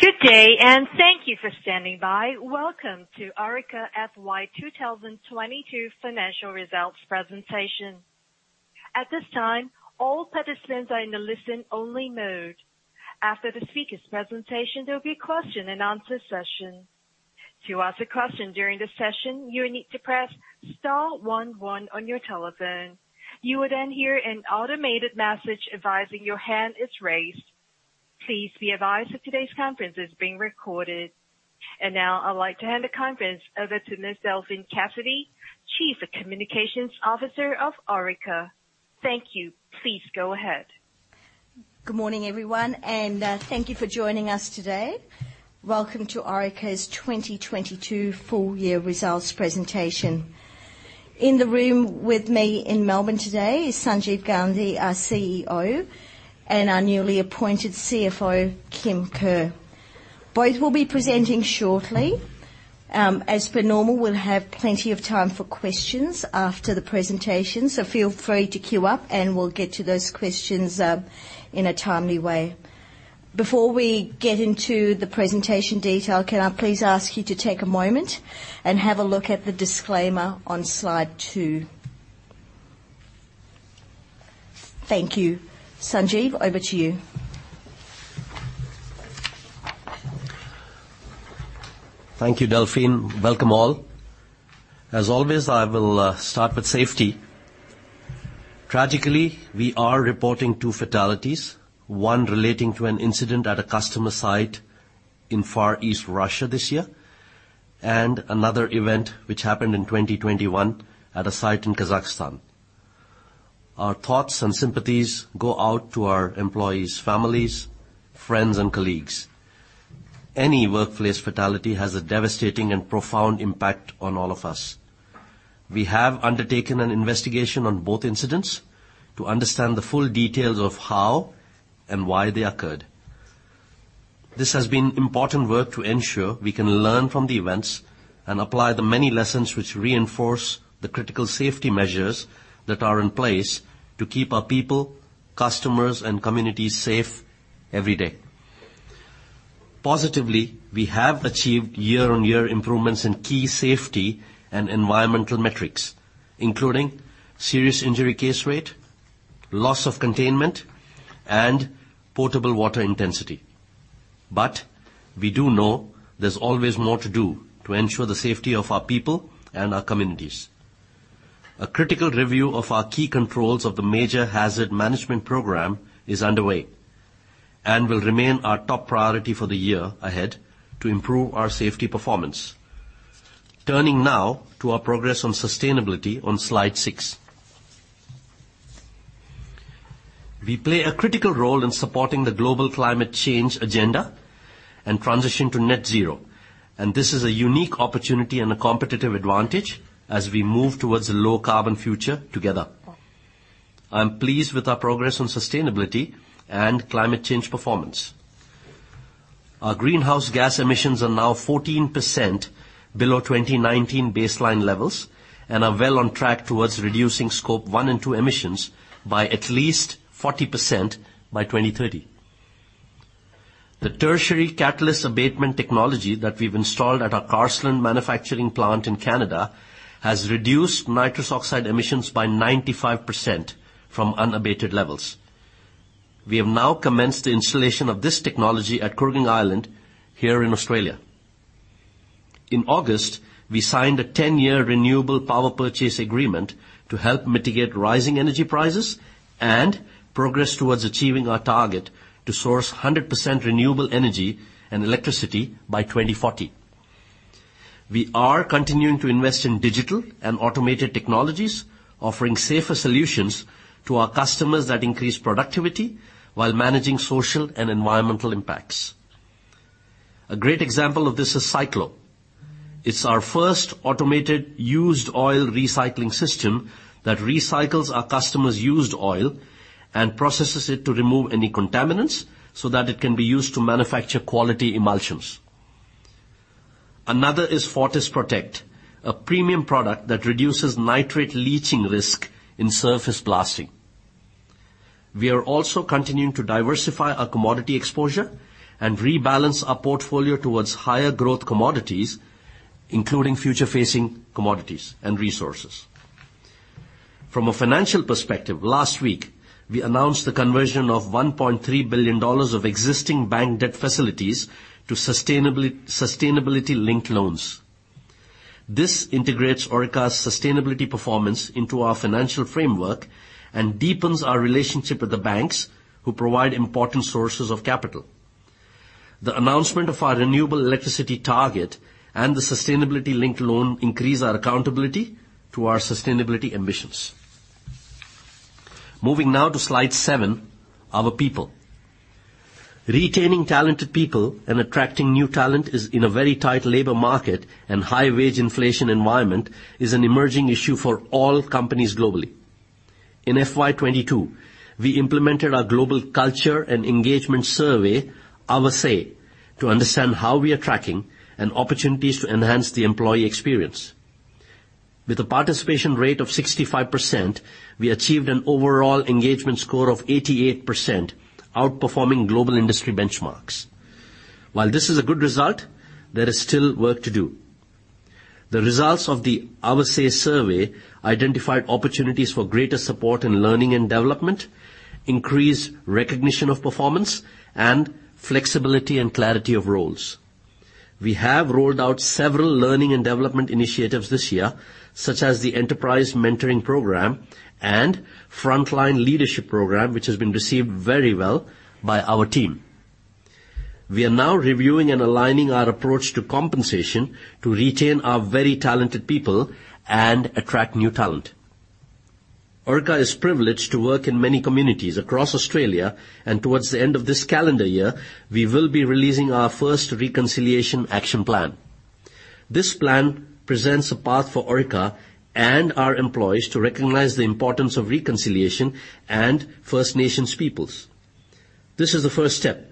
Good day, and thank you for standing by. Welcome to Orica FY 2022 financial results presentation. At this time, all participants are in a listen-only mode. After the speaker's presentation, there'll be a question-and-answer session. To ask a question during the session, you will need to press star one one on your telephone. You will then hear an automated message advising your hand is raised. Please be advised that today's conference is being recorded. Now I'd like to hand the conference over to Ms. Delphine Cassidy, Chief Communications Officer of Orica. Thank you. Please go ahead. Good morning, everyone, and thank you for joining us today. Welcome to Orica's 2022 full year results presentation. In the room with me in Melbourne today is Sanjeev Gandhi, our CEO, and our newly appointed CFO, Kim Kerr. Both will be presenting shortly. As per normal, we'll have plenty of time for questions after the presentation, so feel free to queue up and we'll get to those questions in a timely way. Before we get into the presentation detail, can I please ask you to take a moment and have a look at the disclaimer on slide two. Thank you. Sanjeev, over to you. Thank you, Delphine. Welcome all. As always, I will start with safety. Tragically, we are reporting two fatalities, one relating to an incident at a customer site in Far East Russia this year, and another event which happened in 2021 at a site in Kazakhstan. Our thoughts and sympathies go out to our employees' families, friends, and colleagues. Any workplace fatality has a devastating and profound impact on all of us. We have undertaken an investigation on both incidents to understand the full details of how and why they occurred. This has been important work to ensure we can learn from the events and apply the many lessons which reinforce the critical safety measures that are in place to keep our people, customers, and communities safe every day. Positively, we have achieved year-over-year improvements in key safety and environmental metrics, including serious injury case rate, loss of containment, and potable water intensity. We do know there's always more to do to ensure the safety of our people and our communities. A critical review of our key controls of the Major Hazard Management program is underway and will remain our top priority for the year ahead to improve our safety performance. Turning now to our progress on sustainability on slide six. We play a critical role in supporting the global climate change agenda and transition to net zero, and this is a unique opportunity and a competitive advantage as we move towards a low carbon future together. I'm pleased with our progress on sustainability and climate change performance. Our greenhouse gas emissions are now 14% below 2019 baseline levels and are well on track towards reducing scope one and two emissions by at least 40% by 2030. The Tertiary Catalyst Abatement technology that we've installed at our Carseland manufacturing plant in Canada has reduced nitrous oxide emissions by 95% from unabated levels. We have now commenced the installation of this technology at Kooragang Island here in Australia. In August, we signed a 10-year renewable power purchase agreement to help mitigate rising energy prices and progress towards achieving our target to source 100% renewable energy and electricity by 2040. We are continuing to invest in digital and automated technologies, offering safer solutions to our customers that increase productivity while managing social and environmental impacts. A great example of this is Cyclo. It's our first automated used oil recycling system that recycles our customers' used oil and processes it to remove any contaminants so that it can be used to manufacture quality emulsions. Another is Fortis Protect, a premium product that reduces nitrate leaching risk in surface Blasting. We are also continuing to diversify our commodity exposure and rebalance our portfolio towards higher growth commodities, including future-facing commodities and resources. From a financial perspective, last week, we announced the conversion of $1.3 billion of existing bank debt facilities to sustainability linked loans. This integrates Orica's sustainability performance into our financial framework and deepens our relationship with the banks who provide important sources of capital. The announcement of our renewable electricity target and the sustainability linked loan increase our accountability to our sustainability ambitions. Moving now to slide seven, our people. Retaining talented people and attracting new talent in a very tight labor market and high wage inflation environment is an emerging issue for all companies globally. In FY 2022, we implemented our global culture and engagement survey, Our Say, to understand how we are tracking and opportunities to enhance the employee experience. With a participation rate of 65%, we achieved an overall engagement score of 88% outperforming global industry benchmarks. While this is a good result, there is still work to do. The results of the Our Say survey identified opportunities for greater support in learning and development, increased recognition of performance, and flexibility and clarity of roles. We have rolled out several learning and development initiatives this year, such as the Enterprise Mentoring Program and Frontline Leadership Program, which has been received very well by our team. We are now reviewing and aligning our approach to compensation to retain our very talented people and attract new talent. Orica is privileged to work in many communities across Australia, and towards the end of this calendar year, we will be releasing our first reconciliation action plan. This plan presents a path for Orica and our employees to recognize the importance of reconciliation and First Nations peoples. This is the first step,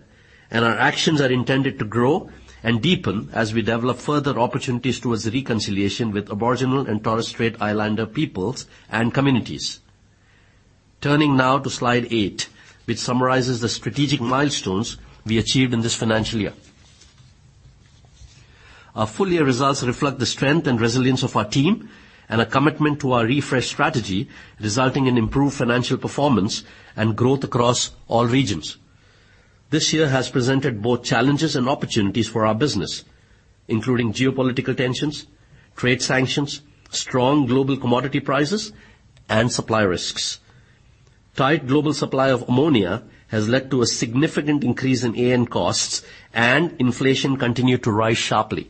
and our actions are intended to grow and deepen as we develop further opportunities towards reconciliation with Aboriginal and Torres Strait Islander peoples and communities. Turning now to slide eight, which summarizes the strategic milestones we achieved in this financial year. Our full year results reflect the strength and resilience of our team and a commitment to our refreshed strategy, resulting in improved financial performance and growth across all regions. This year has presented both challenges and opportunities for our business, including geopolitical tensions, trade sanctions, strong global commodity prices, and supply risks. Tight global supply of ammonia has led to a significant increase in AN costs, and inflation continued to rise sharply.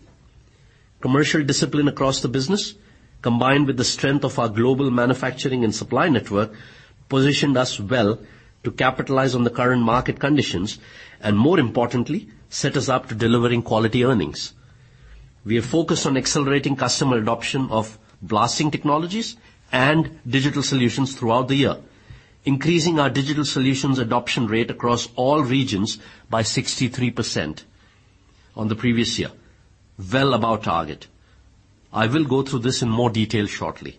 Commercial discipline across the business, combined with the strength of our global manufacturing and supply network, positioned us well to capitalize on the current market conditions and more importantly, set us up to delivering quality earnings. We are focused on accelerating customer adoption of Blasting Technologies and Digital Solutions throughout the year, increasing our digital solutions adoption rate across all regions by 63% on the previous year, well above target. I will go through this in more detail shortly.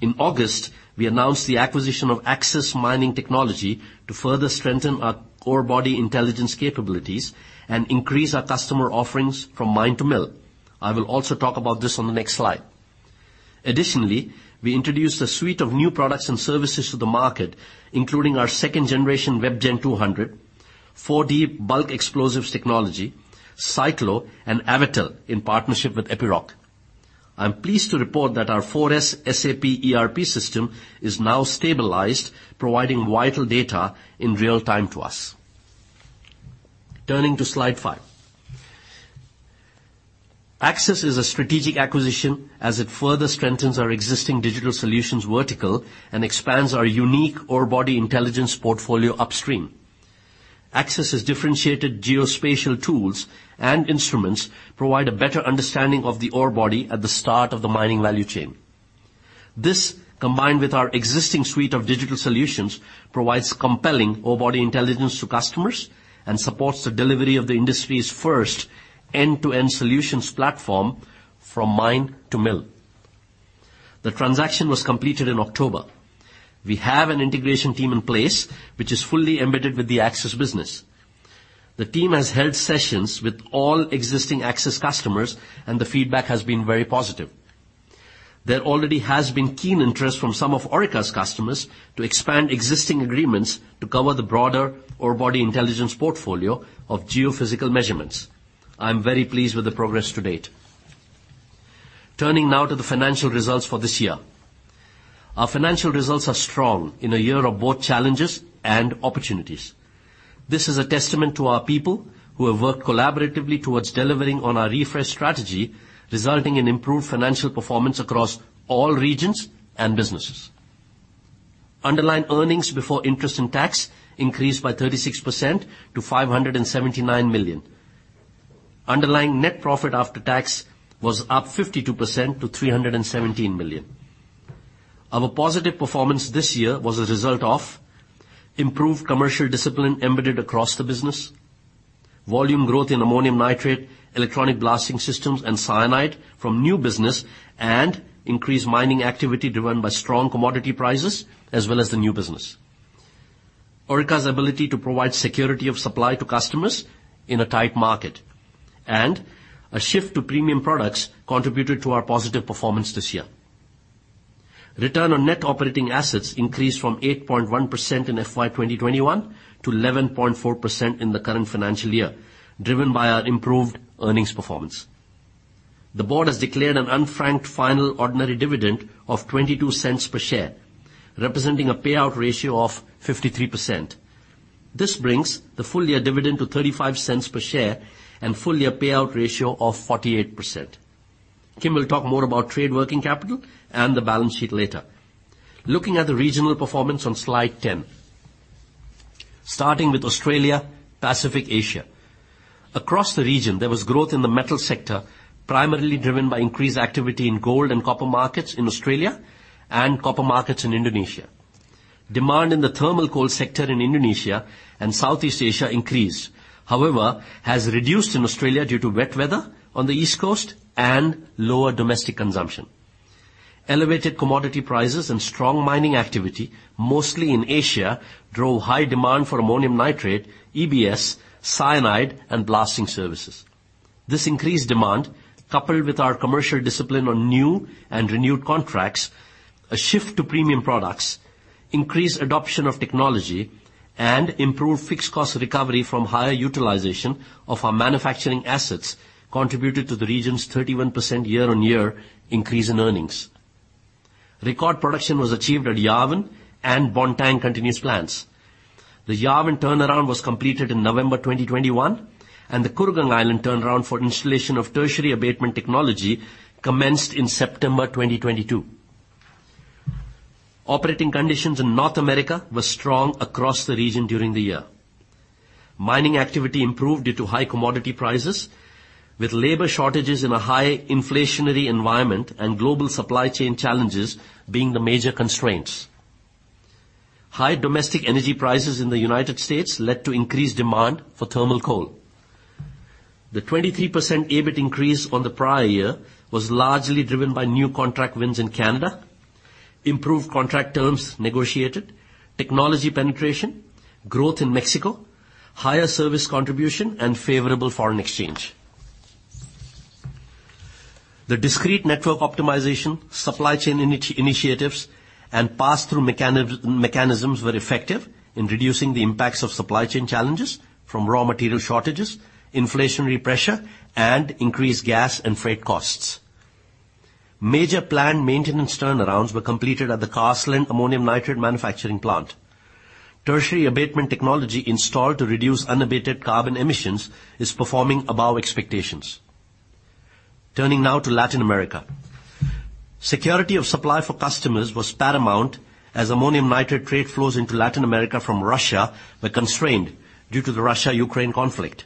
In August, we announced the acquisition of Axis Mining Technology to further strengthen our ore body intelligence capabilities and increase our customer offerings from mine to mill. I will also talk about this on the next slide. Additionally, we introduced a suite of new products and services to the market, including our second generation WebGen 200, 4D bulk explosives technology, Cyclo and Avatel in partnership with Epiroc. I'm pleased to report that our S/4HANA SAP ERP system is now stabilized, providing vital data in real time to us. Turning to slide five. Axis is a strategic acquisition as it further strengthens our existing Digital Solutions vertical and expands our unique ore body intelligence portfolio upstream. Axis's differentiated geospatial tools and instruments provide a better understanding of the ore body at the start of the mining value chain. This, combined with our existing suite of Digital Solutions, provides compelling ore body intelligence to customers and supports the delivery of the industry's first end-to-end solutions platform from mine to mill. The transaction was completed in October. We have an integration team in place which is fully embedded with the Axis business. The team has held sessions with all existing Axis customers, and the feedback has been very positive. There already has been keen interest from some of Orica's customers to expand existing agreements to cover the broader ore body intelligence portfolio of geophysical measurements. I'm very pleased with the progress to date. Turning now to the financial results for this year. Our financial results are strong in a year of both challenges and opportunities. This is a testament to our people who have worked collaboratively towards delivering on our refreshed strategy, resulting in improved financial performance across all regions and businesses. Underlying earnings before interest and tax increased by 36% to 579 million. Underlying net profit after tax was up 52% to 317 million. Our positive performance this year was a result of improved commercial discipline embedded across the business, volume growth in ammonium nitrate, electronic Blasting systems, and cyanide from new business, and increased mining activity driven by strong commodity prices as well as the new business. Orica's ability to provide security of supply to customers in a tight market and a shift to premium products contributed to our positive performance this year. Return on net operating assets increased from 8.1% in FY 2021 to 11.4% in the current financial year, driven by our improved earnings performance. The board has declared an unfranked final ordinary dividend of 0.22 per share, representing a payout ratio of 53%. This brings the full year dividend to 0.35 per share and full year payout ratio of 48%. Kim will talk more about trade working capital and the balance sheet later. Looking at the regional performance on slide 10. Starting with Australia, Pacific Asia. Across the region, there was growth in the metal sector, primarily driven by increased activity in gold and copper markets in Australia and copper markets in Indonesia. Demand in the thermal coal sector in Indonesia and Southeast Asia increased. However, has reduced in Australia due to wet weather on the East Coast and lower domestic consumption. Elevated commodity prices and strong mining activity, mostly in Asia, drove high demand for ammonium nitrate, EBS, cyanide, and Blasting services. This increased demand, coupled with our commercial discipline on new and renewed contracts, a shift to premium products, increased adoption of technology, and improved fixed cost recovery from higher utilization of our manufacturing assets, contributed to the region's 31% year-on-year increase in earnings. Record production was achieved at Yarwun and Bontang continuous plants. The Yarwun turnaround was completed in November 2021, and the Kooragang Island turnaround for installation of Tertiary Abatement Technology commenced in September 2022. Operating conditions in North America were strong across the region during the year. Mining activity improved due to high commodity prices, with labor shortages in a high inflationary environment and global supply chain challenges being the major constraints. High domestic energy prices in the United States led to increased demand for thermal coal. The 23% EBIT increase on the prior year was largely driven by new contract wins in Canada, improved contract terms negotiated, technology penetration, growth in Mexico, higher service contribution, and favorable foreign exchange. The discrete network optimization, supply chain initiatives, and pass-through mechanisms were effective in reducing the impacts of supply chain challenges from raw material shortages, inflationary pressure, and increased gas and freight costs. Major planned maintenance turnarounds were completed at the Carseland ammonium nitrate manufacturing plant. Tertiary Catalyst Abatement installed to reduce unabated carbon emissions is performing above expectations. Turning now to Latin America. Security of supply for customers was paramount as ammonium nitrate trade flows into Latin America from Russia were constrained due to the Russia-Ukraine conflict.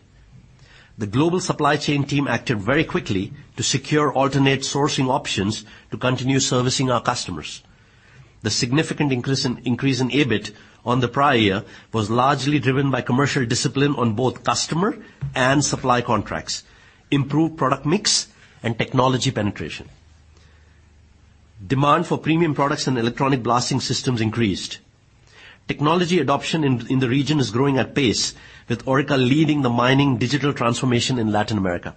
The global supply chain team acted very quickly to secure alternate sourcing options to continue servicing our customers. The significant increase in EBIT on the prior year was largely driven by commercial discipline on both customer and supply contracts, improved product mix, and technology penetration. Demand for premium products and electronic Blasting systems increased. Technology adoption in the region is growing at pace, with Orica leading the mining digital transformation in Latin America.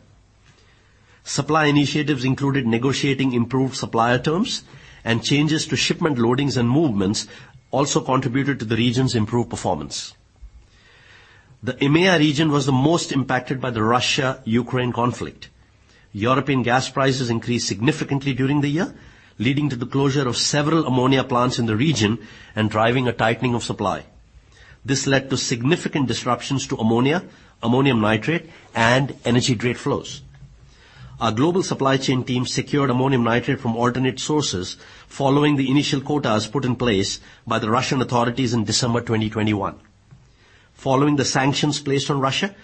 Supply initiatives included negotiating improved supplier terms and changes to shipment loadings and movements also contributed to the region's improved performance. The EMEA region was the most impacted by the Russia-Ukraine conflict. European gas prices increased significantly during the year, leading to the closure of several ammonia plants in the region and driving a tightening of supply. This led to significant disruptions to ammonia, ammonium nitrate, and energy trade flows. Our global supply chain team secured ammonium nitrate from alternate sources following the initial quotas put in place by the Russian authorities in December 2021. Following the sanctions placed on Russia,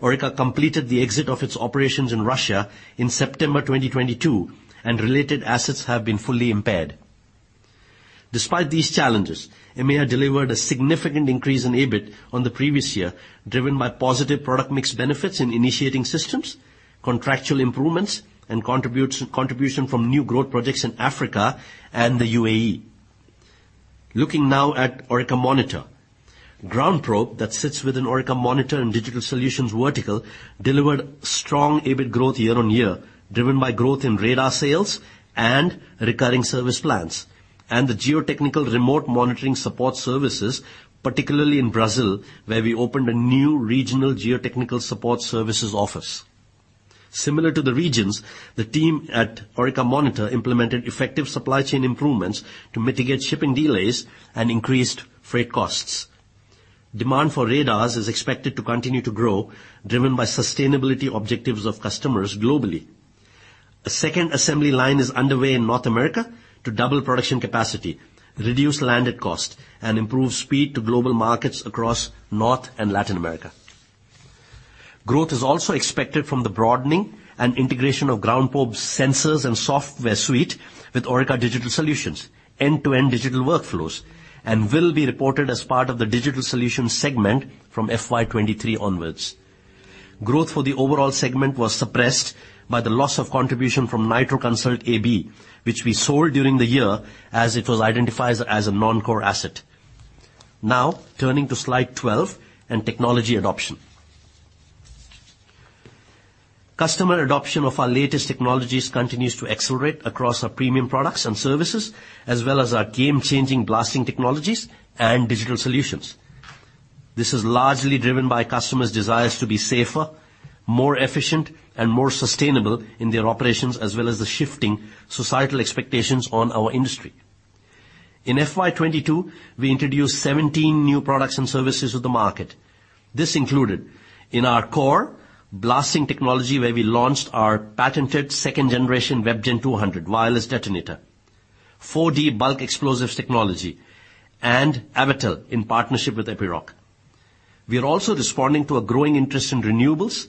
Orica completed the exit of its operations in Russia in September 2022, and related assets have been fully impaired. Despite these challenges, EMEA delivered a significant increase in EBIT on the previous year, driven by positive product mix benefits in initiating systems, contractual improvements, and contribution from new growth projects in Africa and the UAE. Looking now at Orica Monitor. GroundProbe, that sits within Orica Monitor and Digital Solutions vertical, delivered strong EBIT growth year-on-year, driven by growth in radar sales and recurring service plans, and the geotechnical remote monitoring support services, particularly in Brazil, where we opened a new regional geotechnical support services office. Similar to the regions, the team at Orica Monitor implemented effective supply chain improvements to mitigate shipping delays and increased freight costs. Demand for radars is expected to continue to grow, driven by sustainability objectives of customers globally. A second assembly line is underway in North America to double production capacity, reduce landed cost, and improve speed to global markets across North and Latin America. Growth is also expected from the broadening and integration of GroundProbe sensors and software suite with Orica Digital Solutions end-to-end digital workflows and will be reported as part of the Digital Solutions segment from FY 2023 onwards. Growth for the overall segment was suppressed by the loss of contribution from Nitro Consult AB, which we sold during the year as it was identified as a non-core asset. Now turning to slide 12 and technology adoption. Customer adoption of our latest technologies continues to accelerate across our premium products and services, as well as our game-changing Blasting Technologies and Digital Solutions. This is largely driven by customers' desires to be safer, more efficient, and more sustainable in their operations, as well as the shifting societal expectations on our industry. In FY 2022, we introduced 17 new products and services to the market. This included, in our core Blasting technology, where we launched our patented second-generation WebGen 200 wireless detonator, 4D bulk explosives technology, and Avatel in partnership with Epiroc. We are also responding to a growing interest in renewables,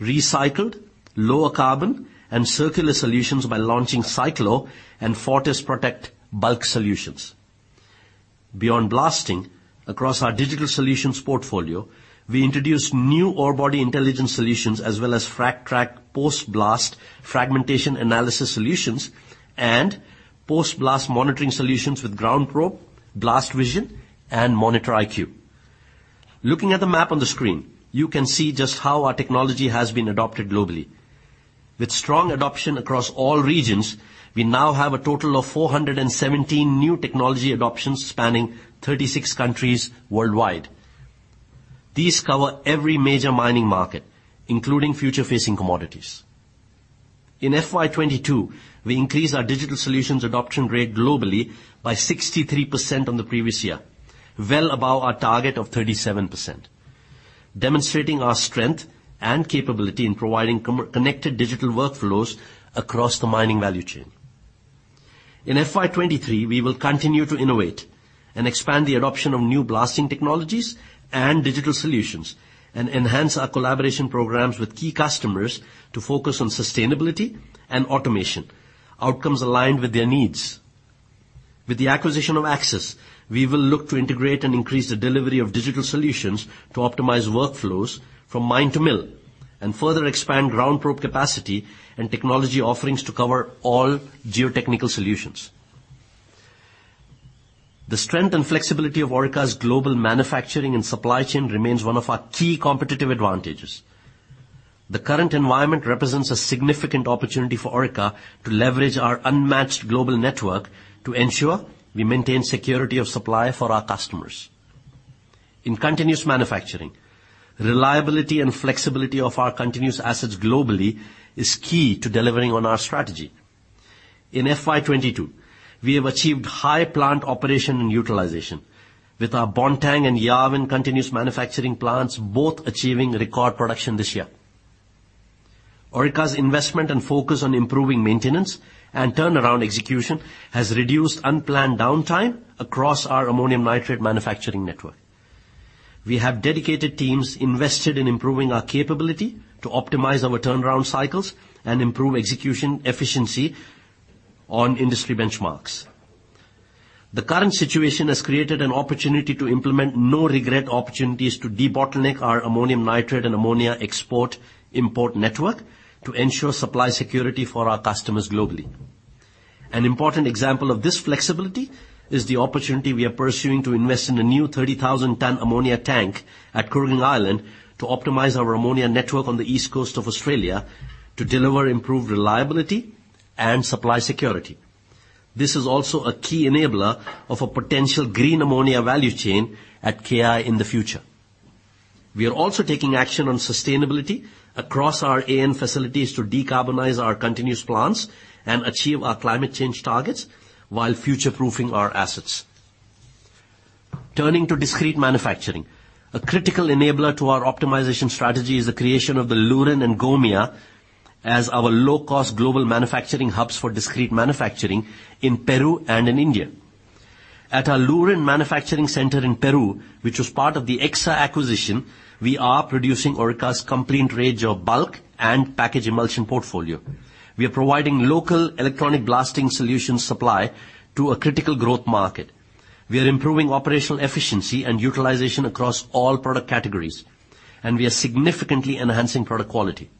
recycled, lower carbon, and circular solutions by launching Cyclo and Fortis Protect bulk solutions. Beyond Blasting, across our Digital Solutions portfolio, we introduced new Orebody intelligent solutions, as well as FRAGTrack post-blast fragmentation analysis solutions and post-blast monitoring solutions with GroundProbe, BlastVision, and MonitorIQ. Looking at the map on the screen, you can see just how our technology has been adopted globally. With strong adoption across all regions, we now have a total of 417 new technology adoptions spanning 36 countries worldwide. These cover every major mining market, including future-facing commodities. In FY 2022, we increased our Digital Solutions adoption rate globally by 63% on the previous year, well above our target of 37%, demonstrating our strength and capability in providing connected digital workflows across the mining value chain. In FY 2023, we will continue to innovate and expand the adoption of new Blasting Technologies and Digital Solutions and enhance our collaboration programs with key customers to focus on sustainability and automation, outcomes aligned with their needs. With the acquisition of Axis, we will look to integrate and increase the delivery of digital solutions to optimize workflows from mine to mill and further expand GroundProbe capacity and technology offerings to cover all geotechnical solutions. The strength and flexibility of Orica's global manufacturing and supply chain remains one of our key competitive advantages. The current environment represents a significant opportunity for Orica to leverage our unmatched global network to ensure we maintain security of supply for our customers. In continuous manufacturing, reliability and flexibility of our continuous assets globally is key to delivering on our strategy. In FY 2022, we have achieved high plant operation and utilization, with our Bontang and Yarwun continuous manufacturing plants both achieving record production this year. Orica's investment and focus on improving maintenance and turnaround execution has reduced unplanned downtime across our ammonium nitrate manufacturing network. We have dedicated teams invested in improving our capability to optimize our turnaround cycles and improve execution efficiency on industry benchmarks. The current situation has created an opportunity to implement no-regret opportunities to debottleneck our ammonium nitrate and ammonia export-import network to ensure supply security for our customers globally. An important example of this flexibility is the opportunity we are pursuing to invest in a new 30,000-ton ammonia tank at Kooragang Island to optimize our ammonia network on the east coast of Australia to deliver improved reliability and supply security. This is also a key enabler of a potential green ammonia value chain at KI in the future. We are also taking action on sustainability across our AN facilities to decarbonize our continuous plants and achieve our climate change targets while future-proofing our assets. Turning to discrete manufacturing, a critical enabler to our optimization strategy is the creation of the Lurín and Gomia as our low-cost global manufacturing hubs for discrete manufacturing in Peru and in India. At our Lurín manufacturing center in Peru, which was part of the Exsa acquisition, we are producing Orica's complete range of bulk and package emulsion portfolio. We are providing local electronic Blasting solution supply to a critical growth market. We are improving operational efficiency and utilization across all product categories, and we are significantly enhancing product quality.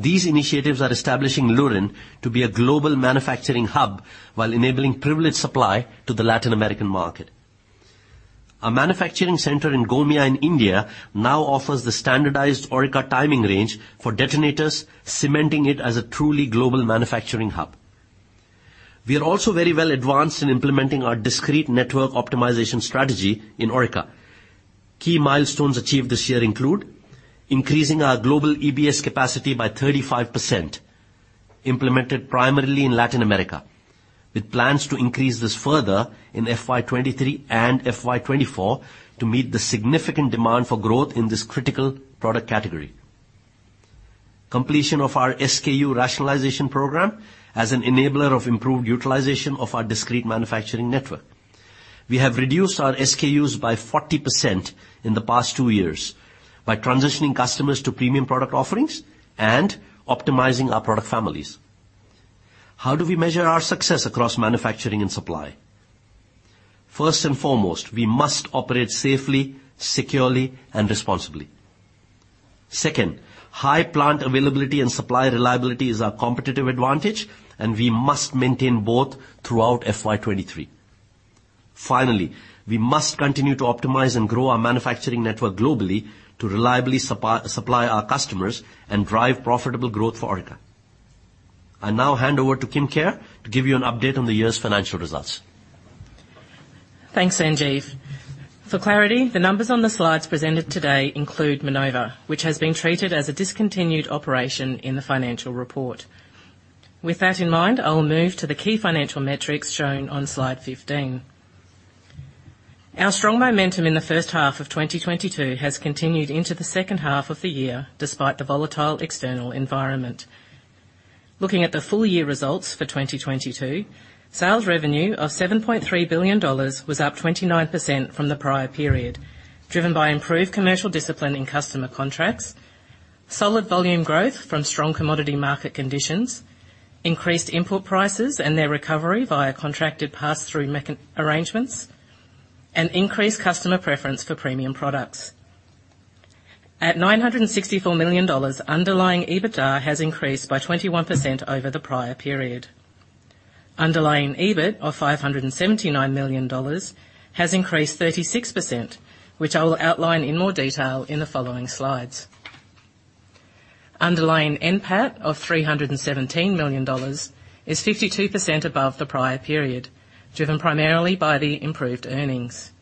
These initiatives are establishing Lurín to be a global manufacturing hub while enabling privileged supply to the Latin American market. Our manufacturing center in Gomia in India now offers the standardized Orica timing range for detonators, cementing it as a truly global manufacturing hub. We are also very well advanced in implementing our discrete network optimization strategy in Orica. Key milestones achieved this year include increasing our global EBS capacity by 35%, implemented primarily in Latin America, with plans to increase this further in FY 2023 and FY 2024 to meet the significant demand for growth in this critical product category. Completion of our SKU rationalization program as an enabler of improved utilization of our discrete manufacturing network. We have reduced our SKUs by 40% in the past two years by transitioning customers to premium product offerings and optimizing our product families. How do we measure our success across manufacturing and supply? First and foremost, we must operate safely, securely, and responsibly. Second, high plant availability and supply reliability is our competitive advantage, and we must maintain both throughout FY 2023. Finally, we must continue to optimize and grow our manufacturing network globally to reliably supply our customers and drive profitable growth for Orica. I now hand over to Kim Kerr to give you an update on the year's financial results. Thanks, Sanjeev. For clarity, the numbers on the slides presented today include Minova, which has been treated as a discontinued operation in the financial report. With that in mind, I will move to the key financial metrics shown on slide 15. Our strong momentum in the first half of 2022 has continued into the second half of the year despite the volatile external environment. Looking at the full year results for 2022, sales revenue of 7.3 billion dollars was up 29% from the prior period, driven by improved commercial discipline in customer contracts, solid volume growth from strong commodity market conditions, increased input prices and their recovery via contracted pass-through mechanisms, and increased customer preference for premium products. At 964 million dollars, underlying EBITDA has increased by 21% over the prior period. Underlying EBIT of 579 million dollars has increased 36%, which I will outline in more detail in the following slides. Underlying NPAT of 317 million dollars is 52% above the prior period, driven primarily by the improved earnings.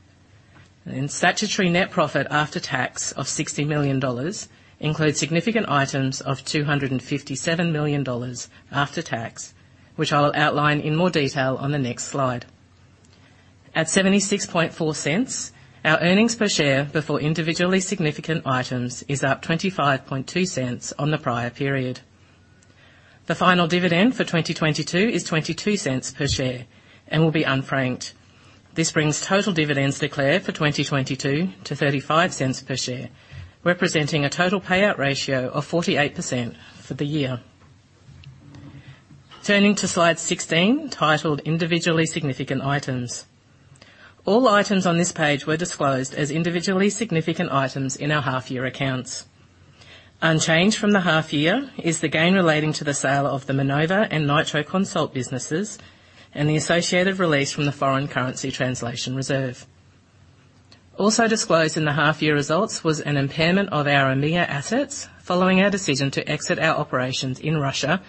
Statutory net profit after tax of 60 million dollars includes significant items of 257 million dollars after tax, which I'll outline in more detail on the next slide. At 0.764, our earnings per share before individually significant items is up 0.252 on the prior period. The final dividend for 2022 is 0.22 per share and will be unfranked. This brings total dividends declared for 2022 to 0.35 per share, representing a total payout ratio of 48% for the year. Turning to slide 16, titled Individually Significant Items. All items on this page were disclosed as Individually Significant Items in our half year accounts. Unchanged from the half year is the gain relating to the sale of the Minova and Nitro Consult businesses and the associated release from the foreign currency translation reserve. Also disclosed in the half year results was an impairment of our EMEA assets following our decision to exit our operations in Russia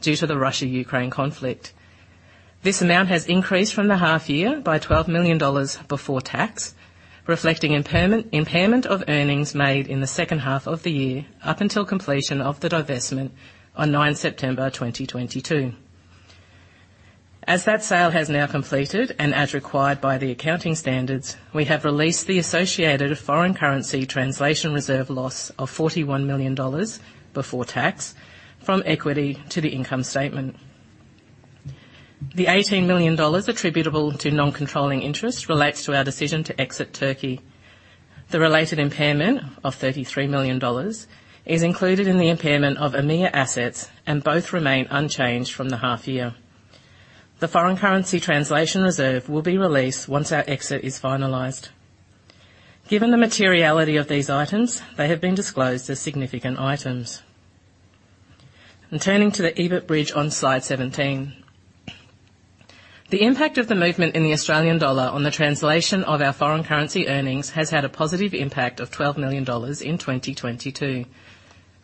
due to the Russia-Ukraine conflict. This amount has increased from the half year by 12 million dollars before tax, reflecting impairment of earnings made in the second half of the year up until completion of the divestment on 9 September 2022. As that sale has now completed, and as required by the accounting standards, we have released the associated foreign currency translation reserve loss of 41 million dollars before tax from equity to the income statement. The 18 million dollars attributable to non-controlling interests relates to our decision to exit Turkey. The related impairment of 33 million dollars is included in the impairment of EMEA assets, and both remain unchanged from the half year. The foreign currency translation reserve will be released once our exit is finalized. Given the materiality of these items, they have been disclosed as significant items. Turning to the EBIT bridge on slide 17. The impact of the movement in the Australian dollar on the translation of our foreign currency earnings has had a positive impact of AUD 12 million in 2022,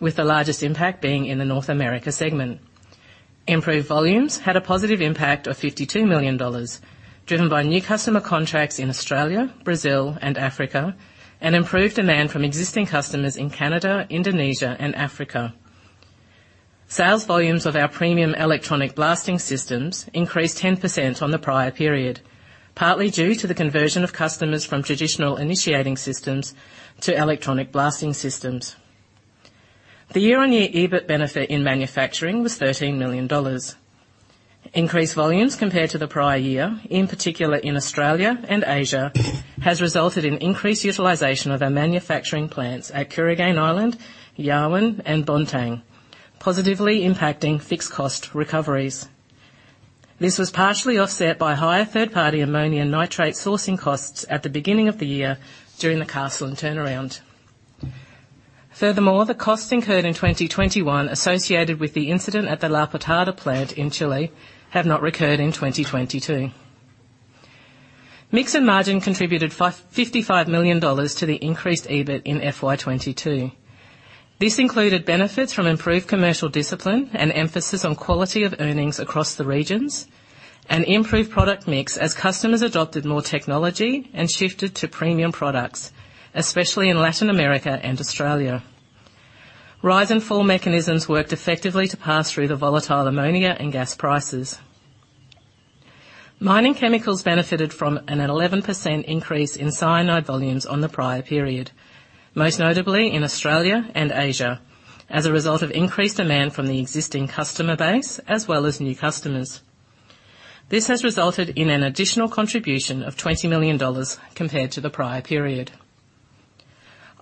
with the largest impact being in the North America segment. Improved volumes had a positive impact of 52 million dollars, driven by new customer contracts in Australia, Brazil, and Africa, and improved demand from existing customers in Canada, Indonesia, and Africa. Sales volumes of our premium electronic Blasting systems increased 10% on the prior period, partly due to the conversion of customers from traditional initiating systems to electronic Blasting systems. The year-on-year EBIT benefit in manufacturing was 13 million dollars. Increased volumes compared to the prior year, in particular in Australia and Asia, has resulted in increased utilization of our manufacturing plants at Kooragang Island, Yarwun, and Bontang, positively impacting fixed cost recoveries. This was partially offset by higher third-party ammonia and nitrate sourcing costs at the beginning of the year during the Carseland turnaround. Furthermore, the costs incurred in 2021 associated with the incident at the La Portada plant in Chile have not recurred in 2022. Mix and margin contributed AUD 55 million to the increased EBIT in FY 2022. This included benefits from improved commercial discipline and emphasis on quality of earnings across the regions, and improved product mix as customers adopted more technology and shifted to premium products, especially in Latin America and Australia. Rise and fall mechanisms worked effectively to pass through the volatile ammonia and gas prices. Mining chemicals benefited from an 11% increase in cyanide volumes on the prior period, most notably in Australia and Asia, as a result of increased demand from the existing customer base as well as new customers. This has resulted in an additional contribution of 20 million dollars compared to the prior period.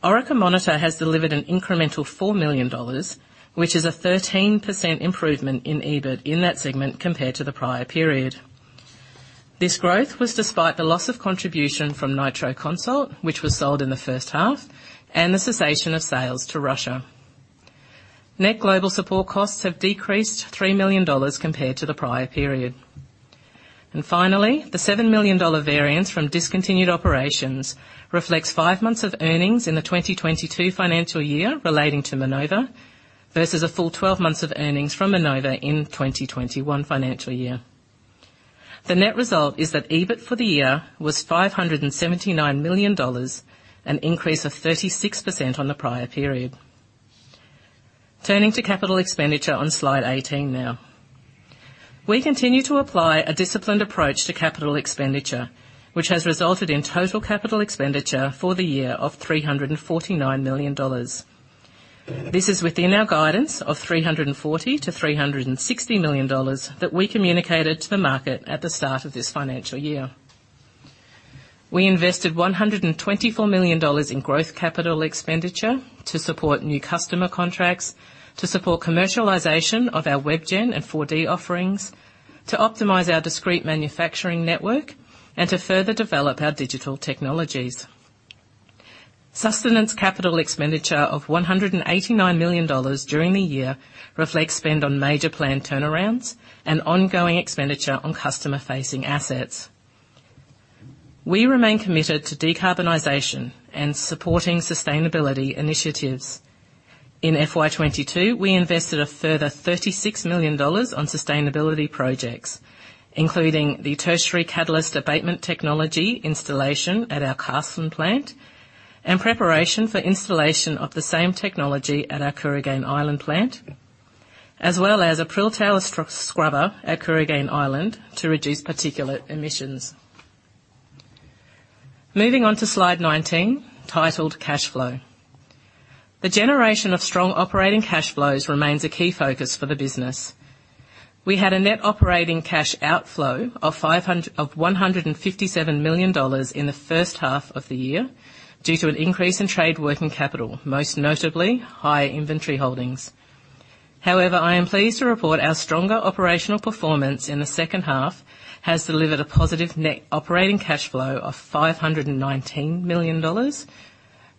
Orica Monitor has delivered an incremental 4 million dollars, which is a 13% improvement in EBIT in that segment compared to the prior period. This growth was despite the loss of contribution from Nitro Consult AB, which was sold in the first half, and the cessation of sales to Russia. Net global support costs have decreased 3 million dollars compared to the prior period. Finally, the 7 million dollar variance from discontinued operations reflects five months of earnings in the 2022 financial year relating to Minova, versus a full 12 months of earnings from Minova in the 2021 financial year. The net result is that EBIT for the year was 579 million dollars, an increase of 36% on the prior period. Turning to capital expenditure on slide 18 now. We continue to apply a disciplined approach to capital expenditure, which has resulted in total capital expenditure for the year of 349 million dollars. This is within our guidance of 340 million-360 million dollars that we communicated to the market at the start of this financial year. We invested 124 million dollars in growth capital expenditure to support new customer contracts, to support commercialization of our WebGen and 4D offerings, to optimize our discrete manufacturing network, and to further develop our digital technologies. Sustaining capital expenditure of AUD 189 million during the year reflects spend on major planned turnarounds and ongoing expenditure on customer-facing assets. We remain committed to decarbonization and supporting sustainability initiatives. In FY 2022, we invested a further AUD 36 million on sustainability projects, including the Tertiary Catalyst Abatement technology installation at our Carseland plant and preparation for installation of the same technology at our Kooragang Island plant, as well as a Prill Tower scrubber at Kooragang Island to reduce particulate emissions. Moving on to slide 19, titled Cash Flow. The generation of strong operating cash flows remains a key focus for the business. We had a net operating cash outflow of 157 million dollars in the first half of the year due to an increase in trade working capital, most notably higher inventory holdings. However, I am pleased to report our stronger operational performance in the second half has delivered a positive net operating cash flow of 519 million dollars,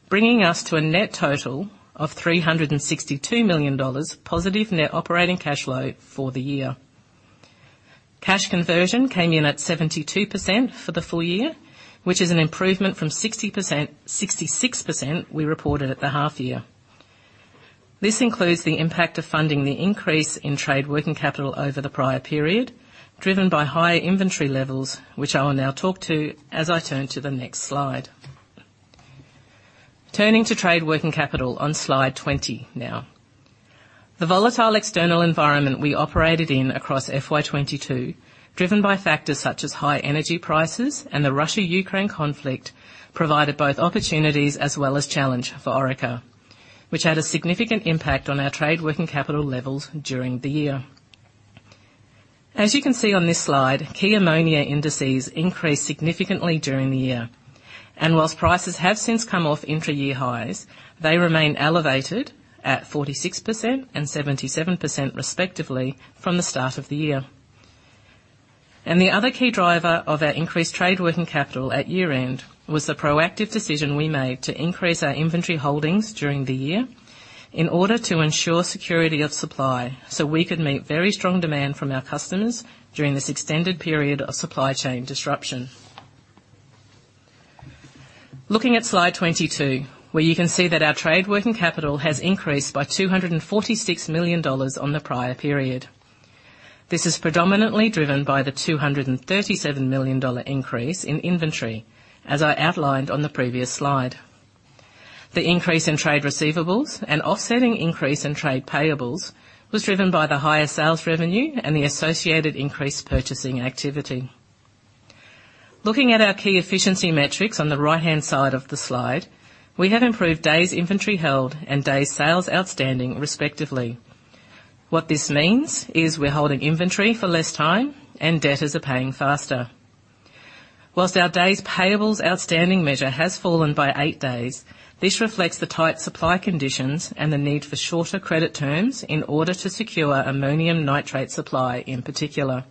bringing us to a net total of 362 million dollars positive net operating cash flow for the year. Cash conversion came in at 72% for the full year, which is an improvement from 66% we reported at the half year. This includes the impact of funding the increase in trade working capital over the prior period, driven by higher inventory levels, which I will now talk to as I turn to the next slide. Turning to trade working capital on slide 20 now. The volatile external environment we operated in across FY 2022, driven by factors such as high energy prices and the Russia-Ukraine conflict, provided both opportunities as well as challenge for Orica, which had a significant impact on our trade working capital levels during the year. As you can see on this slide, key ammonia indices increased significantly during the year. While prices have since come off intra-year highs, they remain elevated at 46% and 77% respectively from the start of the year. The other key driver of our increased trade working capital at year-end was the proactive decision we made to increase our inventory holdings during the year in order to ensure security of supply, so we could meet very strong demand from our customers during this extended period of supply chain disruption. Looking at slide 22, where you can see that our trade working capital has increased by 246 million dollars on the prior period. This is predominantly driven by the 237 million dollar increase in inventory, as I outlined on the previous slide. The increase in trade receivables and offsetting increase in trade payables was driven by the higher sales revenue and the associated increased purchasing activity. Looking at our key efficiency metrics on the right-hand side of the slide, we have improved days inventory held and days sales outstanding, respectively. What this means is we're holding inventory for less time and debtors are paying faster. While our days payables outstanding measure has fallen by eight days, this reflects the tight supply conditions and the need for shorter credit terms in order to secure ammonium nitrate supply, in particular.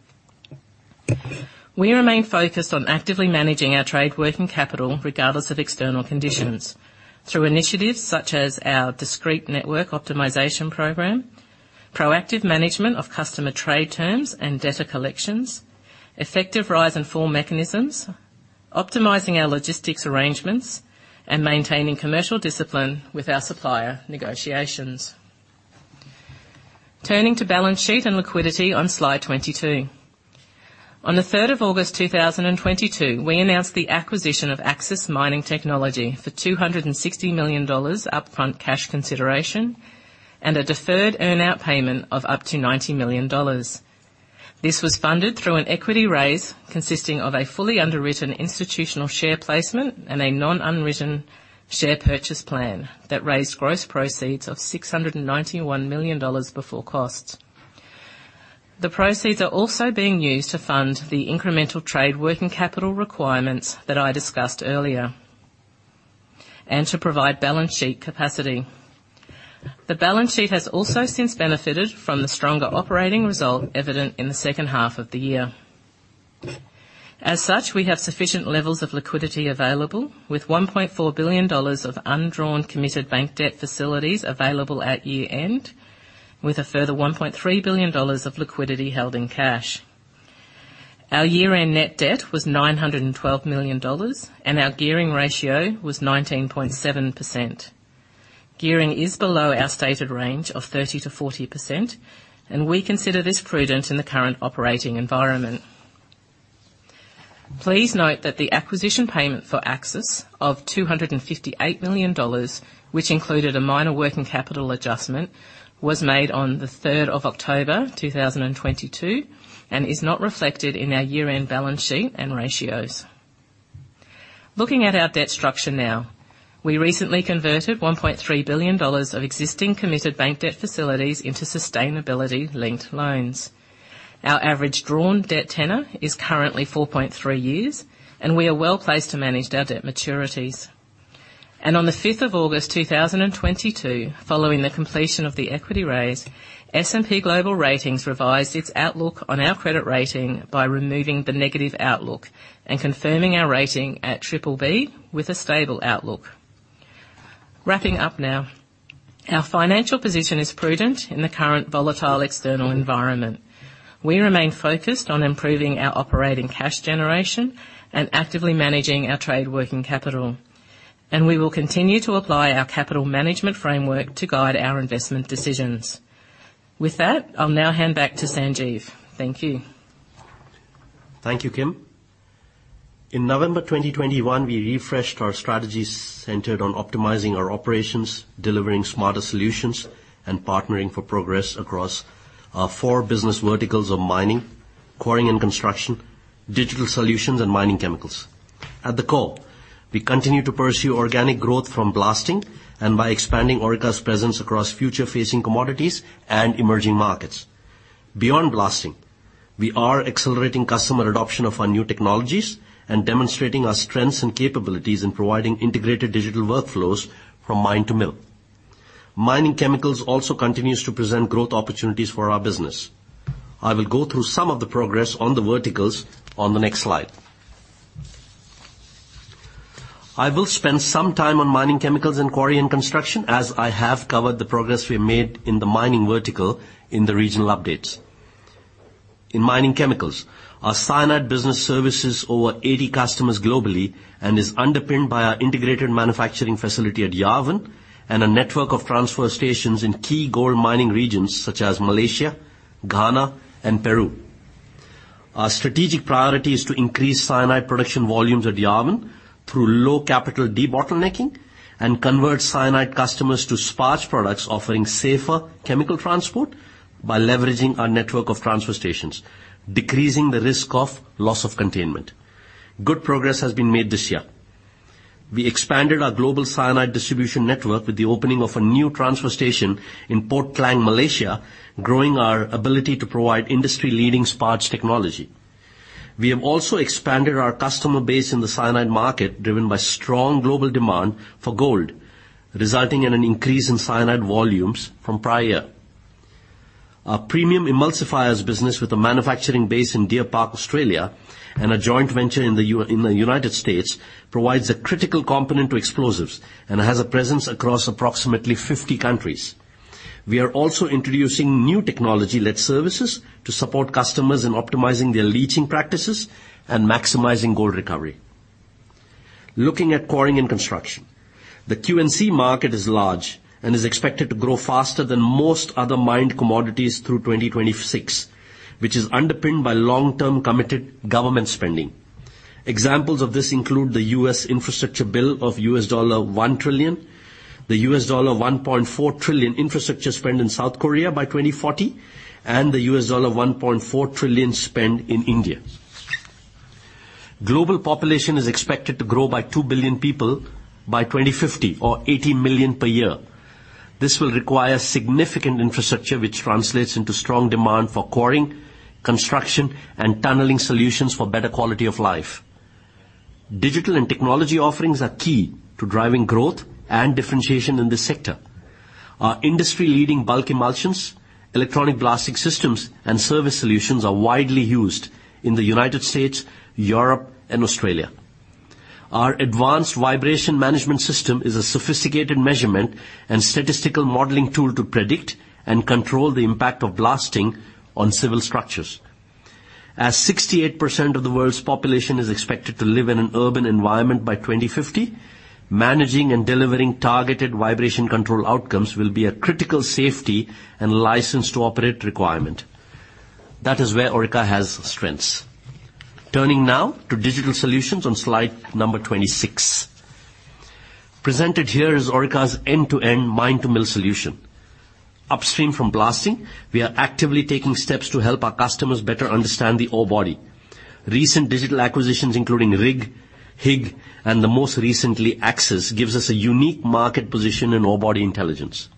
We remain focused on actively managing our trade working capital regardless of external conditions through initiatives such as our discrete network optimization program, proactive management of customer trade terms and debtor collections, effective rise and fall mechanisms, optimizing our logistics arrangements, and maintaining commercial discipline with our supplier negotiations. Turning to balance sheet and liquidity on slide 22. On the third of August 2022, we announced the acquisition of Axis Mining Technology for 260 million dollars upfront cash consideration and a deferred earn-out payment of up to 90 million dollars. This was funded through an equity raise consisting of a fully underwritten institutional share placement and a non-underwritten share purchase plan that raised gross proceeds of AUD 691 million before cost. The proceeds are also being used to fund the incremental trade working capital requirements that I discussed earlier and to provide balance sheet capacity. The balance sheet has also since benefited from the stronger operating result evident in the second half of the year. As such, we have sufficient levels of liquidity available with 1.4 billion dollars of undrawn committed bank debt facilities available at year-end, with a further 1.3 billion dollars of liquidity held in cash. Our year-end net debt was 912 million dollars, and our gearing ratio was 19.7%. Gearing is below our stated range of 30%-40%, and we consider this prudent in the current operating environment. Please note that the acquisition payment for Axis of 258 million dollars, which included a minor working capital adjustment, was made on the 3rd of October, 2022, and is not reflected in our year-end balance sheet and ratios. Looking at our debt structure now. We recently converted 1.3 billion dollars of existing committed bank debt facilities into sustainability-linked loans. Our average drawn debt tenor is currently 4.3 years, and we are well-placed to manage our debt maturities. On the 5th of August, 2022, following the completion of the equity raise, S&P Global Ratings revised its outlook on our credit rating by removing the negative outlook and confirming our rating at BBB with a stable outlook. Wrapping up now. Our financial position is prudent in the current volatile external environment. We remain focused on improving our operating cash generation and actively managing our trade working capital. We will continue to apply our capital management framework to guide our investment decisions. With that, I'll now hand back to Sanjeev. Thank you. Thank you, Kim. In November 2021, we refreshed our strategy centered on optimizing our operations, delivering smarter solutions, and partnering for progress across our four business verticals of Mining, Quarrying and Construction, Digital Solutions, and Mining Chemicals. At the core, we continue to pursue organic growth from Blasting and by expanding Orica's presence across future-facing commodities and emerging markets. Beyond Blasting, we are accelerating customer adoption of our new technologies and demonstrating our strengths and capabilities in providing integrated digital workflows from mine to mill. Mining chemicals also continues to present growth opportunities for our business. I will go through some of the progress on the verticals on the next slide. I will spend some time on Mining Chemicals and Quarrying and Construction, as I have covered the progress we have made in the mining vertical in the regional updates. In Mining Chemicals, our Cyanide business services over 80 customers globally and is underpinned by our integrated manufacturing facility at Yarwun and a network of transfer stations in key gold mining regions such as Malaysia, Ghana, and Peru. Our strategic priority is to increase cyanide production volumes at Yarwun through low capital debottlenecking and convert cyanide customers to Sparge products offering safer chemical transport by leveraging our network of transfer stations, decreasing the risk of loss of containment. Good progress has been made this year. We expanded our global cyanide distribution network with the opening of a new transfer station in Port Klang, Malaysia, growing our ability to provide industry-leading Sparge technology. We have also expanded our customer base in the cyanide market, driven by strong global demand for gold, resulting in an increase in cyanide volumes from prior. Our premium Emulsifiers business with a manufacturing base in Deer Park, Australia, and a joint venture in the United States provides a critical component to explosives and has a presence across approximately 50 countries. We are also introducing new technology-led services to support customers in optimizing their leaching practices and maximizing gold recovery. Looking at Quarrying and Construction. The Q&C market is large and is expected to grow faster than most other mined commodities through 2026, which is underpinned by long-term committed government spending. Examples of this include the US infrastructure bill of $1 trillion, the $1.4 trillion infrastructure spend in South Korea by 2040, and the $1.4 trillion spend in India. Global population is expected to grow by 2 billion people by 2050 or 80 million per year. This will require significant infrastructure which translates into strong demand for quarrying, construction, and tunneling solutions for better quality of life. Digital and technology offerings are key to driving growth and differentiation in this sector. Our industry-leading bulk emulsions, electronic Blasting systems, and service solutions are widely used in the United States, Europe, and Australia. Our Advanced Vibration Management system is a sophisticated measurement and statistical modeling tool to predict and control the impact of Blasting on civil structures. As 68% of the world's population is expected to live in an urban environment by 2050, managing and delivering targeted vibration control outcomes will be a critical safety and license to operate requirement. That is where Orica has strengths. Turning now to Digital Solutions on slide number 26. Presented here is Orica's end-to-end mine-to-mill solution. Upstream from Blasting, we are actively taking steps to help our customers better understand the ore body. Recent digital acquisitions, including RIG, HIG, and the most recently Axis, gives us a unique market position in ore body intelligence.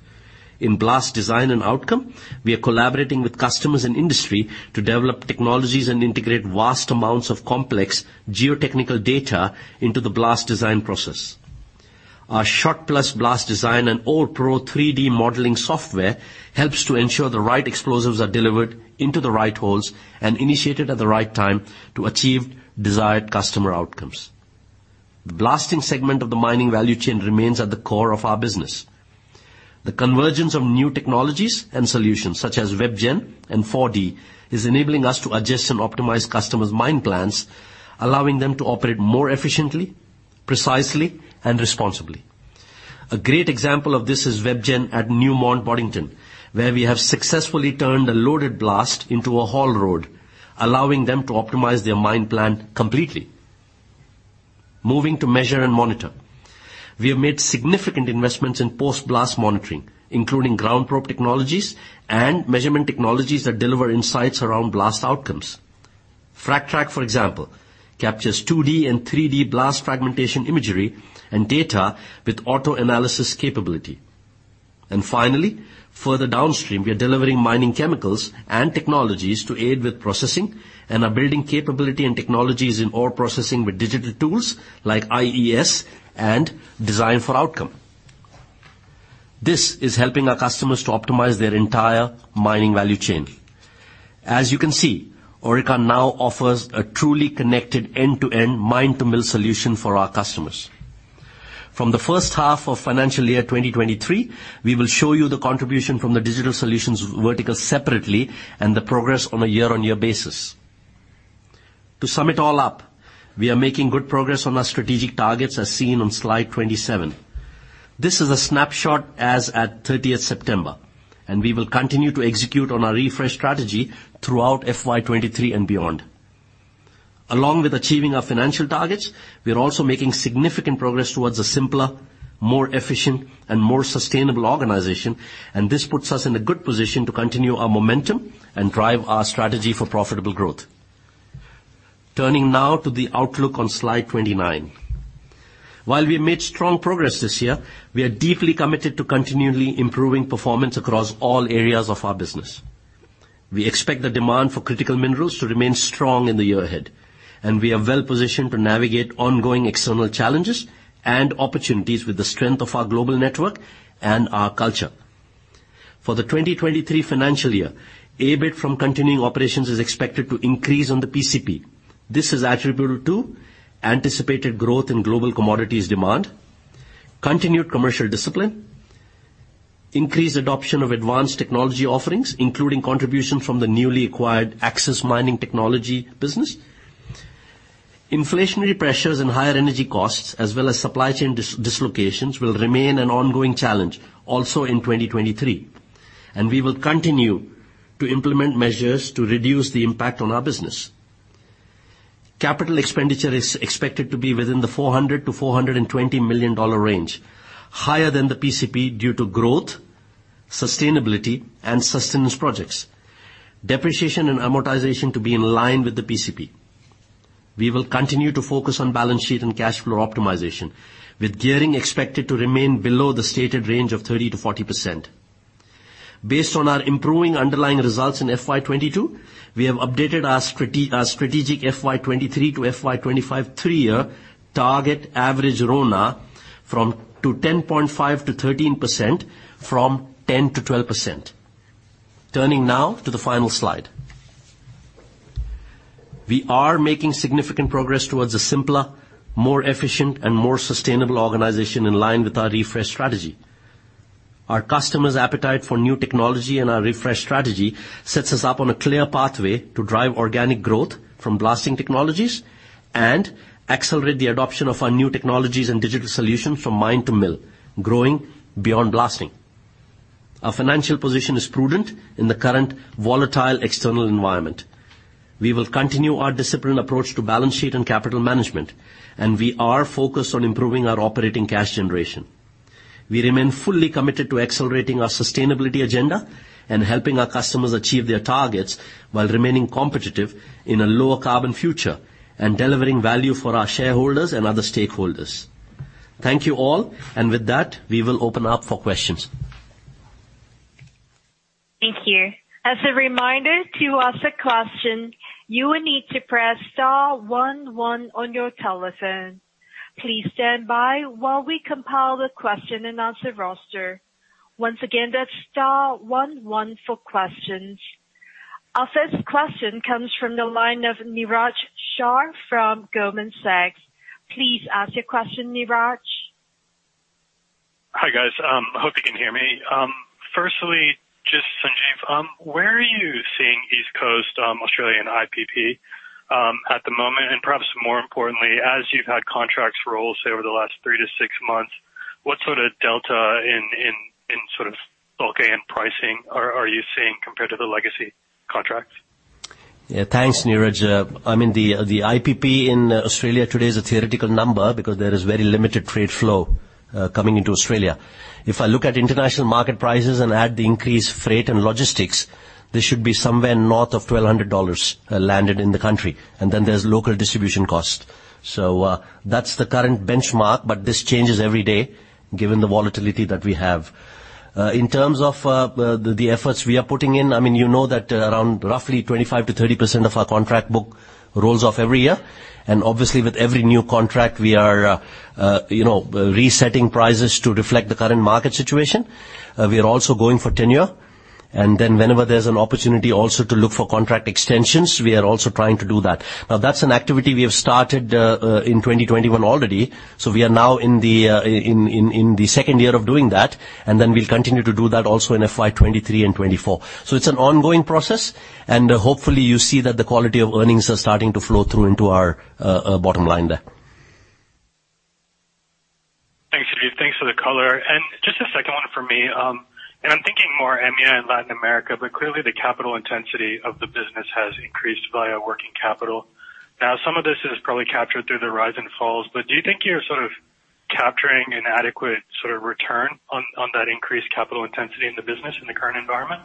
In Blast Design and outcome, we are collaborating with customers and industry to develop technologies and integrate vast amounts of complex geotechnical data into the Blast Design process. Our SHOTPlus Blast Design and OREPro 3D modeling software helps to ensure the right explosives are delivered into the right holes and initiated at the right time to achieve desired customer outcomes. The Blasting segment of the mining value chain remains at the core of our business. The convergence of new technologies and solutions such as WebGen and 4D is enabling us to adjust and optimize customers' mine plans, allowing them to operate more efficiently, precisely, and responsibly. A great example of this is WebGen at Newmont Boddington, where we have successfully turned a loaded blast into a haul road, allowing them to optimize their mine plan completely. Moving to Measure and Monitor. We have made significant investments in post-blast monitoring, including GroundProbe technologies and measurement technologies that deliver insights around blast outcomes. FRAGTrack, for example, captures 2D and 3D blast fragmentation imagery and data with auto-analysis capability. Finally, further downstream, we are delivering Mining Chemicals and technologies to aid with processing and are building capability and technologies in ore processing with digital tools like IES and Design for Outcome. This is helping our customers to optimize their entire mining value chain. As you can see, Orica now offers a truly connected end-to-end, mine-to-mill solution for our customers. From the first half of financial year 2023, we will show you the contribution from the Digital Solutions vertical separately and the progress on a year-on-year basis. To sum it all up, we are making good progress on our strategic targets as seen on slide 27. This is a snapshot as at 30th September, and we will continue to execute on our refresh strategy throughout FY 2023 and beyond. Along with achieving our financial targets, we are also making significant progress towards a simpler, more efficient and more sustainable organization, and this puts us in a good position to continue our momentum and drive our strategy for profitable growth. Turning now to the outlook on slide 29. While we made strong progress this year, we are deeply committed to continually improving performance across all areas of our business. We expect the demand for critical minerals to remain strong in the year ahead, and we are well positioned to navigate ongoing external challenges and opportunities with the strength of our global network and our culture. For the 2023 financial year, EBIT from continuing operations is expected to increase on the PCP. This is attributable to anticipated growth in global commodities demand, continued commercial discipline, increased adoption of advanced technology offerings, including contributions from the newly acquired Axis Mining Technology business. Inflationary pressures and higher energy costs as well as supply chain dislocations will remain an ongoing challenge also in 2023, and we will continue to implement measures to reduce the impact on our business. Capital expenditure is expected to be within the 400 million-420 million dollar range, higher than the PCP due to growth, sustainability and sustenance projects. Depreciation and amortization to be in line with the PCP. We will continue to focus on balance sheet and cash flow optimization, with gearing expected to remain below the stated range of 30%-40%. Based on our improving underlying results in FY 2022, we have updated our strategic FY 2023 to FY 2025 three-year target average RONA to 10.5%-13% from 10%-12%. Turning now to the final slide. We are making significant progress towards a simpler, more efficient and more sustainable organization in line with our refresh strategy. Our customers' appetite for new technology and our refresh strategy sets us up on a clear pathway to drive organic growth from Blasting technologies and accelerate the adoption of our new technologies and Digital Solutions from mine to mill, growing beyond Blasting. Our financial position is prudent in the current volatile external environment. We will continue our disciplined approach to balance sheet and capital management, and we are focused on improving our operating cash generation. We remain fully committed to accelerating our sustainability agenda and helping our customers achieve their targets while remaining competitive in a lower carbon future and delivering value for our shareholders and other stakeholders. Thank you all. With that, we will open up for questions. Thank you. As a reminder, to ask a question, you will need to press star one one on your telephone. Please stand by while we compile the question and answer roster. Once again, that's star one one for questions. Our first question comes from the line of Niraj Shah from Goldman Sachs. Please ask your question, Niraj. Hi, guys. Hope you can hear me. First, just Sanjeev, where are you seeing East Coast Australian IPP at the moment? Perhaps more importantly, as you've had contracts roll, say, over the last three to six months, what sort of delta in sort of bulk and pricing are you seeing compared to the legacy contracts? Yeah. Thanks, Niraj. I mean, the IPP in Australia today is a theoretical number because there is very limited trade flow coming into Australia. If I look at international market prices and add the increased freight and logistics, this should be somewhere north of 1,200 dollars landed in the country, and then there's local distribution costs. That's the current benchmark, but this changes every day given the volatility that we have. In terms of the efforts we are putting in, I mean, you know that around roughly 25%-30% of our contract book rolls off every year. Obviously with every new contract we are, you know, resetting prices to reflect the current market situation. We are also going for tenure. Whenever there's an opportunity also to look for contract extensions, we are also trying to do that. Now, that's an activity we have started in 2021 already, so we are now in the second year of doing that, and then we'll continue to do that also in FY 2023 and 2024. It's an ongoing process, and hopefully you see that the quality of earnings are starting to flow through into our bottom line there. More EMEA and Latin America, but clearly the capital intensity of the business has increased via working capital. Now, some of this is probably captured through the rise and falls, but do you think you're sort of capturing an adequate sort of return on that increased capital intensity in the business in the current environment?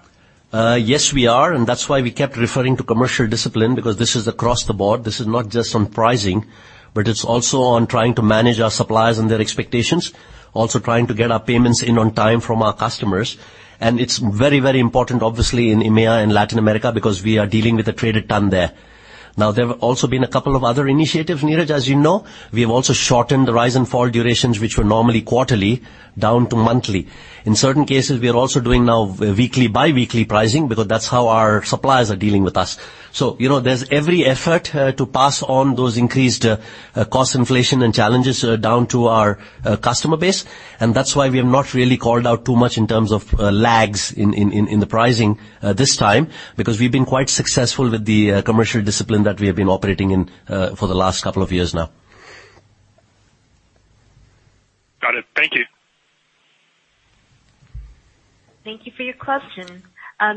Yes, we are. That's why we kept referring to commercial discipline because this is across the board. This is not just on pricing, but it's also on trying to manage our suppliers and their expectations, also trying to get our payments in on time from our customers. It's very, very important, obviously, in EMEA and Latin America, because we are dealing with the traded ton there. Now, there have also been a couple of other initiatives, Niraj, as you know. We have also shortened the rise and fall durations, which were normally quarterly down to monthly. In certain cases, we are also doing now weekly, biweekly pricing because that's how our suppliers are dealing with us. You know, there's every effort to pass on those increased cost inflation and challenges down to our customer base. That's why we have not really called out too much in terms of lags in the pricing this time, because we've been quite successful with the commercial discipline that we have been operating in for the last couple of years now. Got it. Thank you. Thank you for your question.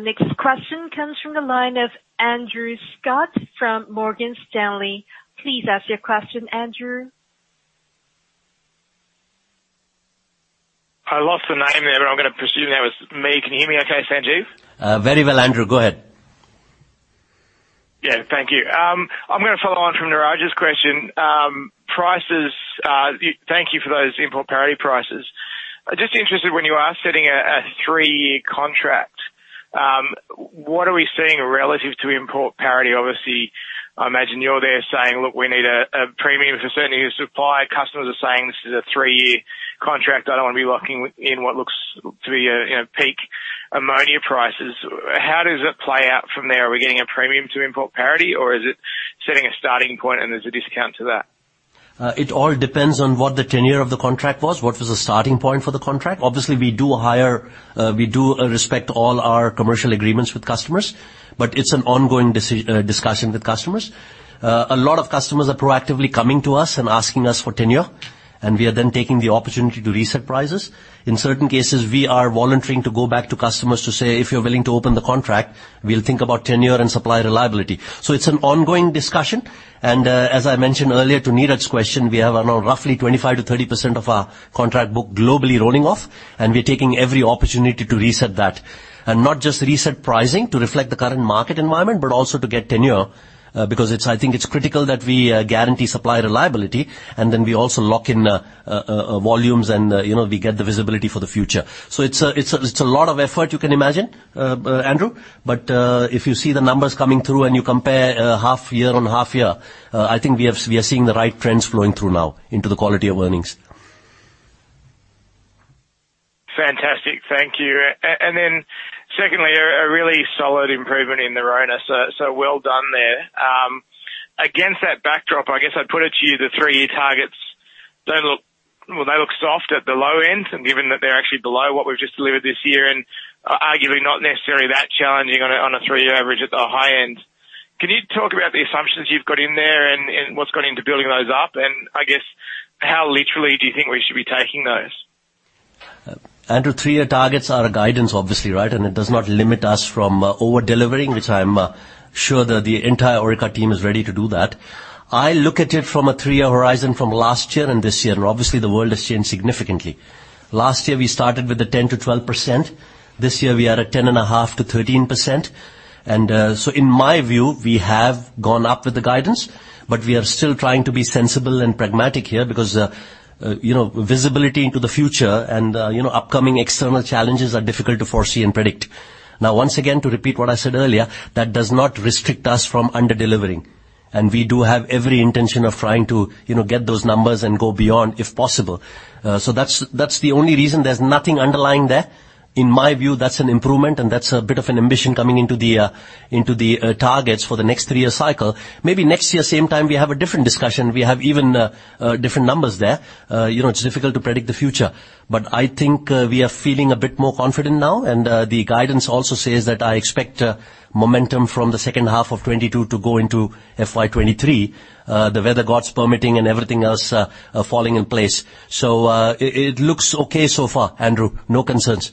Next question comes from the line of Andrew Scott from Morgan Stanley. Please ask your question, Andrew. I lost the name there, but I'm gonna presume that was me. Can you hear me okay, Sanjeev? Very well, Andrew. Go ahead. Yeah. Thank you. I'm gonna follow on from Niraj's question. Prices, thank you for those import parity prices. Just interested when you are setting a three-year contract, what are we seeing relative to import parity? Obviously, I imagine you're there saying, "Look, we need a premium for certainty of supply." Customers are saying, "This is a three-year contract. I don't wanna be locking in what looks to be, you know, peak ammonia prices." How does it play out from there? Are we getting a premium to import parity, or is it setting a starting point and there's a discount to that? It all depends on what the tenure of the contract was, what was the starting point for the contract. Obviously, we do respect all our commercial agreements with customers, but it's an ongoing discussion with customers. A lot of customers are proactively coming to us and asking us for tenure, and we are then taking the opportunity to reset prices. In certain cases, we are volunteering to go back to customers to say, "If you're willing to open the contract, we'll think about tenure and supply reliability." It's an ongoing discussion. As I mentioned earlier to Niraj's question, we have around roughly 25%-30% of our contract book globally rolling off, and we're taking every opportunity to reset that. Not just reset pricing to reflect the current market environment, but also to get tenure, because it's critical that we guarantee supply reliability, and then we also lock in volumes and, you know, we get the visibility for the future. It's a lot of effort you can imagine, Andrew, but if you see the numbers coming through and you compare half year on half year, I think we are seeing the right trends flowing through now into the quality of earnings. Fantastic. Thank you. Secondly, a really solid improvement in the RONA, so well done there. Against that backdrop, I guess I'd put it to you, the three-year targets don't look, well, they look soft at the low end, and given that they're actually below what we've just delivered this year and arguably not necessarily that challenging on a three-year average at the high end. Can you talk about the assumptions you've got in there and what's gone into building those up? I guess how literally do you think we should be taking those? Andrew, three-year targets are a guidance, obviously, right? It does not limit us from over-delivering, which I'm sure that the entire Orica team is ready to do that. I look at it from a three-year horizon from last year and this year, and obviously the world has changed significantly. Last year we started with the 10%-12%. This year we are at 10.5%-13%. In my view, we have gone up with the guidance, but we are still trying to be sensible and pragmatic here because, you know, visibility into the future and, you know, upcoming external challenges are difficult to foresee and predict. Now, once again, to repeat what I said earlier, that does not restrict us from under-delivering. We do have every intention of trying to, you know, get those numbers and go beyond if possible. That's the only reason. There's nothing underlying there. In my view, that's an improvement, and that's a bit of an ambition coming into the targets for the next three-year cycle. Maybe next year same time we have a different discussion. We have even different numbers there. You know, it's difficult to predict the future. I think we are feeling a bit more confident now, and the guidance also says that I expect momentum from the second half of 2022 to go into FY 2023, the weather gods permitting and everything else falling in place. It looks okay so far, Andrew. No concerns.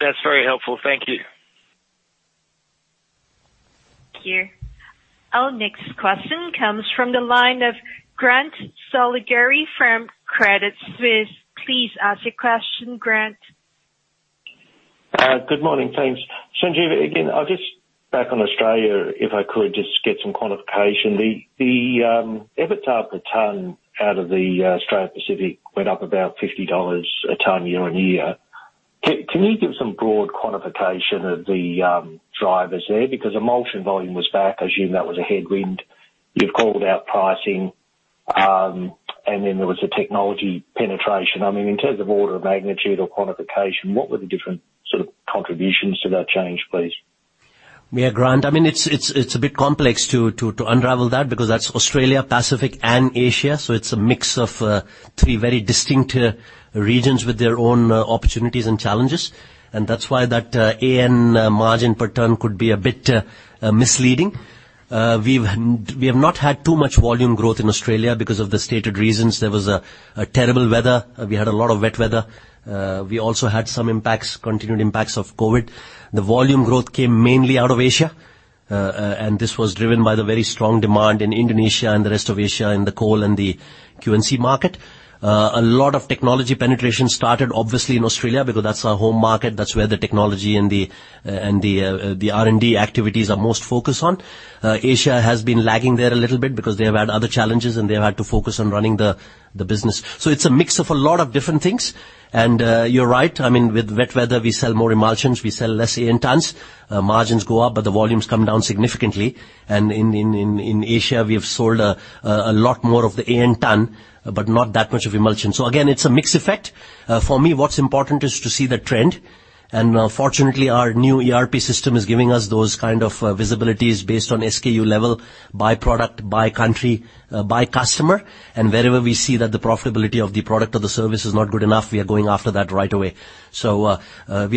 That's very helpful. Thank you. Thank you. Our next question comes from the line of Grant Saligari from Credit Suisse. Please ask your question, Grant. Good morning. Thanks. Sanjeev, again, I'll just back on Australia, if I could just get some qualification. The EBITDA per ton out of the Australia Pacific went up about 50 dollars a ton year-on-year. Can you give some broad quantification of the drivers there? Because emulsion volume was back. I assume that was a headwind. You've called out pricing, and then there was the technology penetration. I mean, in terms of order of magnitude or quantification, what were the different sort of contributions to that change, please? Yeah, Grant. I mean, it's a bit complex to unravel that because that's Australia, Pacific, and Asia, so it's a mix of three very distinct regions with their own opportunities and challenges. That's why that AN margin per ton could be a bit misleading. We have not had too much volume growth in Australia because of the stated reasons. There was a terrible weather. We had a lot of wet weather. We also had some impacts, continued impacts of COVID. The volume growth came mainly out of Asia, and this was driven by the very strong demand in Indonesia and the rest of Asia in the coal and the Q&C market. A lot of technology penetration started obviously in Australia because that's our home market. That's where the technology and the R&D activities are most focused on. Asia has been lagging there a little bit because they have had other challenges, and they have had to focus on running the business. It's a mix of a lot of different things. You're right. I mean, with wet weather, we sell more emulsions. We sell less AN tons. Margins go up, but the volumes come down significantly. In Asia, we have sold a lot more of the AN ton, but not that much of emulsion. Again, it's a mix effect. For me, what's important is to see the trend. Fortunately, our new ERP system is giving us those kind of visibilities based on SKU level by product, by country, by customer. Wherever we see that the profitability of the product or the service is not good enough, we are going after that right away. We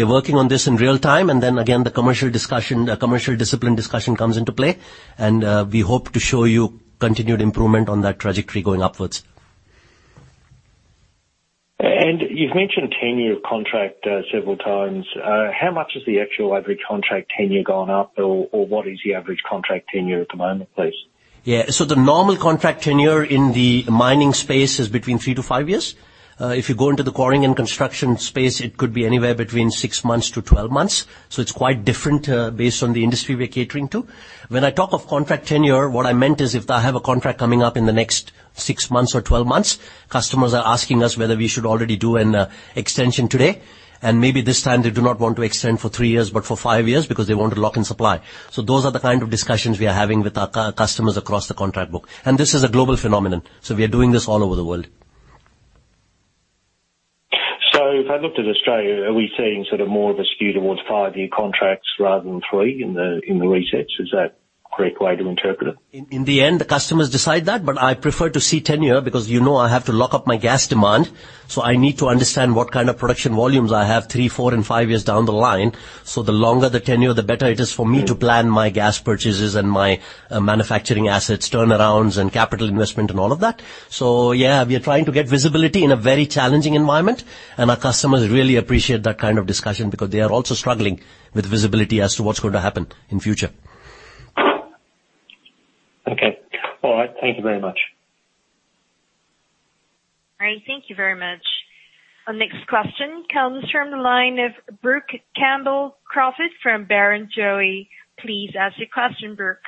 are working on this in real time, and then again, the commercial discussion, the commercial discipline discussion comes into play. We hope to show you continued improvement on that trajectory going upwards. You've mentioned tenure of contract several times. How much has the actual average contract tenure gone up? Or what is the average contract tenure at the moment, please? Yeah. The normal contract tenure in the mining space is between three to five years. If you go into the Quarrying and Construction space, it could be anywhere between six months to 12 months. It's quite different, based on the industry we're catering to. When I talk of contract tenure, what I meant is if I have a contract coming up in the next six months or 12 months, customers are asking us whether we should already do an extension today. Maybe this time they do not want to extend for three years but for five years because they want to lock in supply. Those are the kind of discussions we are having with our customers across the contract book. This is a global phenomenon, so we are doing this all over the world. If I looked at Australia, are we seeing sort of more of a skew towards five-year contracts rather than three in the resets? Is that correct way to interpret it? In the end, the customers decide that, but I prefer to see tenure because you know I have to lock up my gas demand, so I need to understand what kind of production volumes I have three, four, and five years down the line. The longer the tenure, the better it is for me to plan my gas purchases and my manufacturing assets, turnarounds and capital investment and all of that. Yeah, we are trying to get visibility in a very challenging environment, and our customers really appreciate that kind of discussion because they are also struggling with visibility as to what's going to happen in future. Okay. All right. Thank you very much. All right, thank you very much. Our next question comes from the line of Brook Campbell-Crawford from Barrenjoey. Please ask your question, Brook.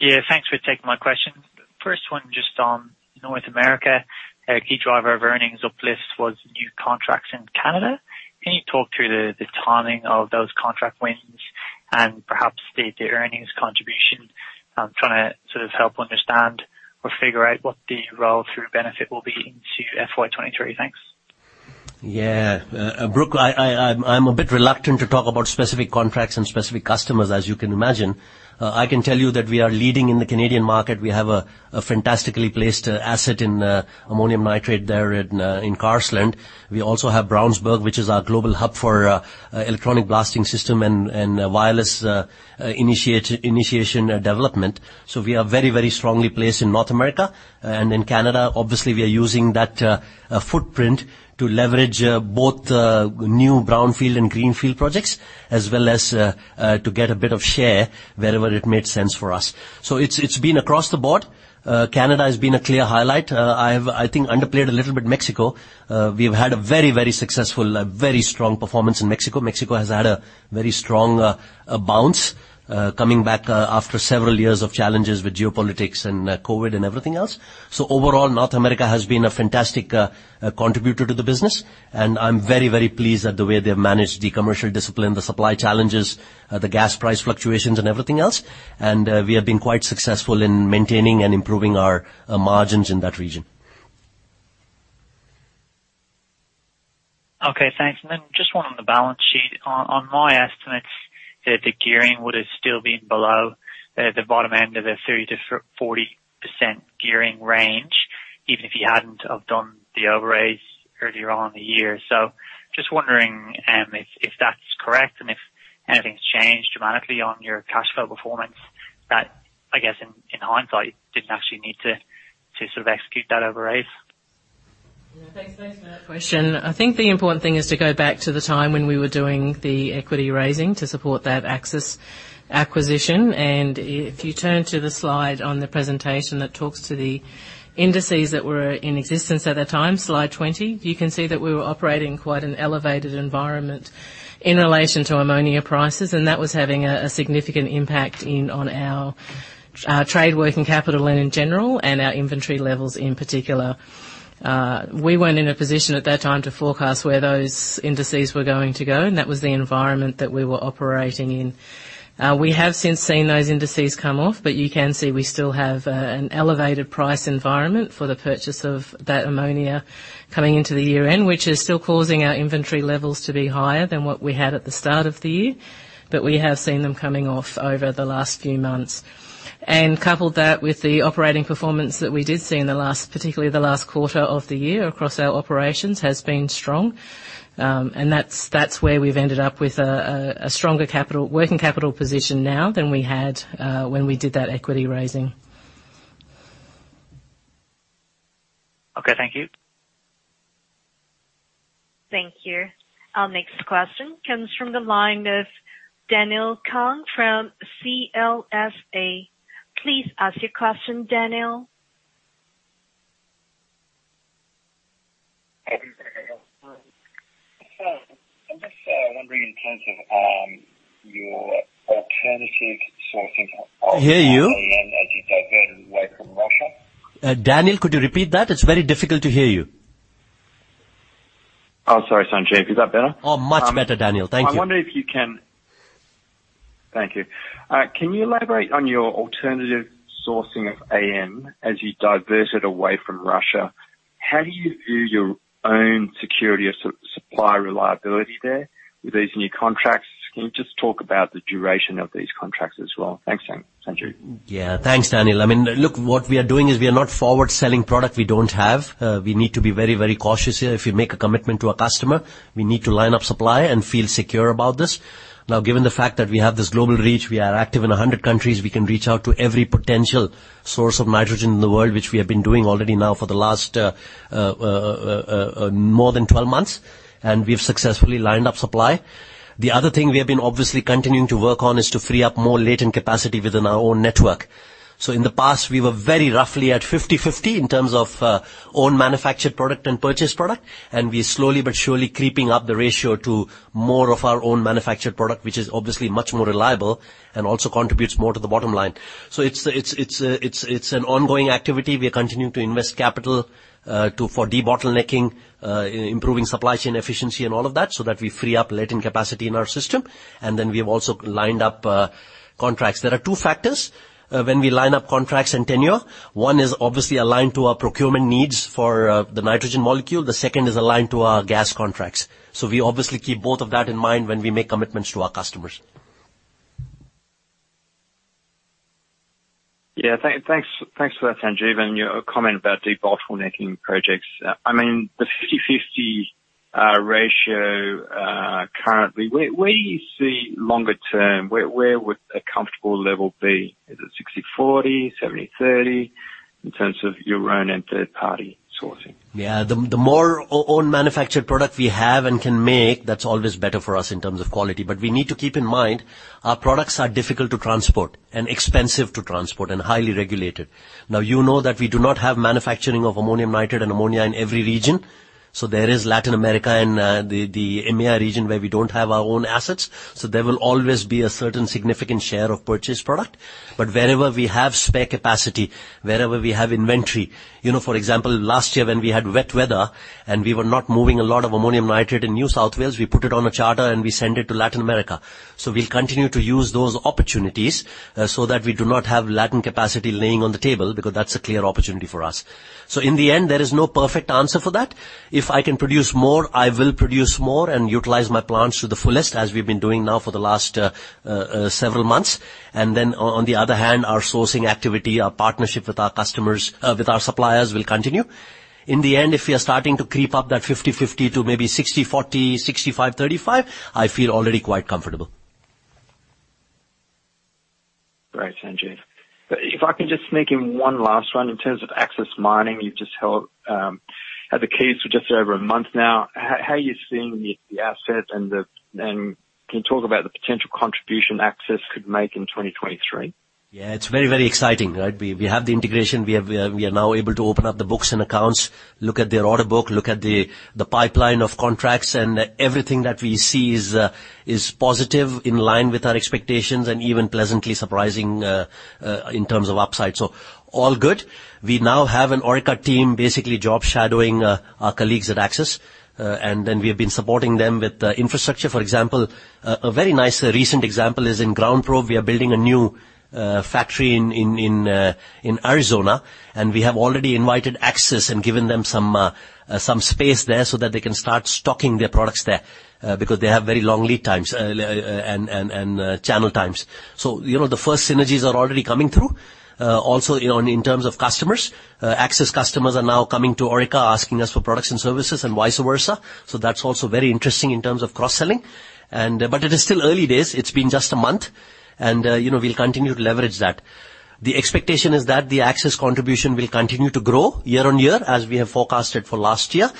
Yeah. Thanks for taking my question. First one just on North America. A key driver of earnings uplift was new contracts in Canada. Can you talk through the timing of those contract wins and perhaps the earnings contribution? I'm trying to sort of help understand or figure out what the roll-through benefit will be into FY 2023. Thanks. Brooke, I'm a bit reluctant to talk about specific contracts and specific customers, as you can imagine. I can tell you that we are leading in the Canadian market. We have a fantastically placed asset in ammonium nitrate there in Carseland. We also have Brownsburg, which is our global hub for electronic Blasting system and wireless initiation development. We are very strongly placed in North America and in Canada. Obviously, we are using that footprint to leverage both new brownfield and greenfield projects, as well as to get a bit of share wherever it made sense for us. It's been across the board. Canada has been a clear highlight. I think I've underplayed a little bit Mexico. We've had a very successful, very strong performance in Mexico. Mexico has had a very strong bounce coming back after several years of challenges with geopolitics and COVID and everything else. Overall, North America has been a fantastic contributor to the business, and I'm very pleased at the way they've managed the commercial discipline, the supply challenges, the gas price fluctuations and everything else. We have been quite successful in maintaining and improving our margins in that region. Okay, thanks. Just one on the balance sheet. On my estimates, the gearing would have still been below the bottom end of the 30%-40% gearing range, even if you hadn't have done the overraise earlier on in the year. Just wondering if that's correct and if anything's changed dramatically on your cash flow performance that I guess in hindsight didn't actually need to sort of execute that overraise? Yeah. Thanks. Thanks for that question. I think the important thing is to go back to the time when we were doing the equity raising to support that Axis acquisition. If you turn to the slide on the presentation that talks to the indices that were in existence at that time, slide 20, you can see that we were operating quite an elevated environment in relation to ammonia prices, and that was having a significant impact on our trade working capital in general and our inventory levels in particular. We weren't in a position at that time to forecast where those indices were going to go, and that was the environment that we were operating in. We have since seen those indices come off, but you can see we still have an elevated price environment for the purchase of that ammonia coming into the year-end, which is still causing our inventory levels to be higher than what we had at the start of the year. We have seen them coming off over the last few months. Couple that with the operating performance that we did see in the last, particularly the last quarter of the year across our operations has been strong. That's where we've ended up with a stronger working capital position now than we had when we did that equity raising. Okay. Thank you. Thank you. Our next question comes from the line of Daniel Kang from CLSA. Please ask your question, Daniel. I'm just wondering in terms of your alternative sourcing of- Can hear you. as you divert it away from Russia. Daniel, could you repeat that? It's very difficult to hear you. Oh, sorry, Sanjeev. Is that better? Oh, much better, Daniel. Thank you. Can you elaborate on your alternative sourcing of AN as you divert it away from Russia? How do you view your own security or supply reliability there with these new contracts? Can you just talk about the duration of these contracts as well? Thanks, Sanjeev. Yeah. Thanks, Daniel. I mean, look, what we are doing is we are not forward selling product we don't have. We need to be very, very cautious here. If you make a commitment to a customer, we need to line up supply and feel secure about this. Now, given the fact that we have this global reach, we are active in 100 countries, we can reach out to every potential source of nitrogen in the world, which we have been doing already now for the last more than 12 months, and we've successfully lined up supply. The other thing we have been obviously continuing to work on is to free up more latent capacity within our own network. In the past, we were very roughly at 50/50 in terms of own manufactured product and purchased product, and we're slowly but surely creeping up the ratio to more of our own manufactured product, which is obviously much more reliable and also contributes more to the bottom line. It's an ongoing activity. We are continuing to invest capital for debottlenecking, improving supply chain efficiency and all of that, so that we free up latent capacity in our system. We have also lined up contracts. There are two factors when we line up contracts and tenure. One is obviously aligned to our procurement needs for the nitrogen molecule. The second is aligned to our gas contracts. We obviously keep both of that in mind when we make commitments to our customers. Yeah. Thanks for that, Sanjeev, and your comment about debottlenecking projects. I mean, the 50/50 ratio currently, where do you see longer term? Where would a comfortable level be? Is it 60/40, 70/30, in terms of your own and third party sourcing? Yeah. The more own manufactured product we have and can make, that's always better for us in terms of quality. We need to keep in mind our products are difficult to transport and expensive to transport and highly regulated. Now, you know that we do not have manufacturing of ammonium nitrate and ammonia in every region. There is Latin America and the Indian region where we don't have our own assets. There will always be a certain significant share of purchased product. Wherever we have spare capacity, wherever we have inventory, you know, for example, last year when we had wet weather and we were not moving a lot of ammonium nitrate in New South Wales, we put it on a charter and we sent it to Latin America. We'll continue to use those opportunities, so that we do not have latent capacity laying on the table because that's a clear opportunity for us. In the end, there is no perfect answer for that. If I can produce more, I will produce more and utilize my plants to the fullest as we've been doing now for the last several months. On the other hand, our sourcing activity, our partnership with our customers, with our suppliers will continue. In the end, if we are starting to creep up that 50/50 to maybe 60/40, 65/35, I feel already quite comfortable. Great, Sanjeev. If I can just sneak in one last one. In terms of Axis Mining, you've just had the keys for just over a month now. How are you seeing the asset? Can you talk about the potential contribution Axis could make in 2023? Yeah, it's very, very exciting, right? We have the integration. We are now able to open up the books and accounts, look at their order book, look at the pipeline of contracts, and everything that we see is positive, in line with our expectations and even pleasantly surprising in terms of upside. All good. We now have an Orica team basically job shadowing our colleagues at Axis. We have been supporting them with the infrastructure, for example. A very nice recent example is in GroundProbe. We are building a new factory in Arizona. We have already invited Axis and given them some space there so that they can start stocking their products there, because they have very long lead times and channel times. You know, the first synergies are already coming through. Also, you know, in terms of customers, Axis customers are now coming to Orica asking us for products and services and vice versa. That's also very interesting in terms of cross-selling. It is still early days. It's been just a month and, you know, we'll continue to leverage that. The expectation is that the Axis contribution will continue to grow year-on-year as we have forecasted for last year.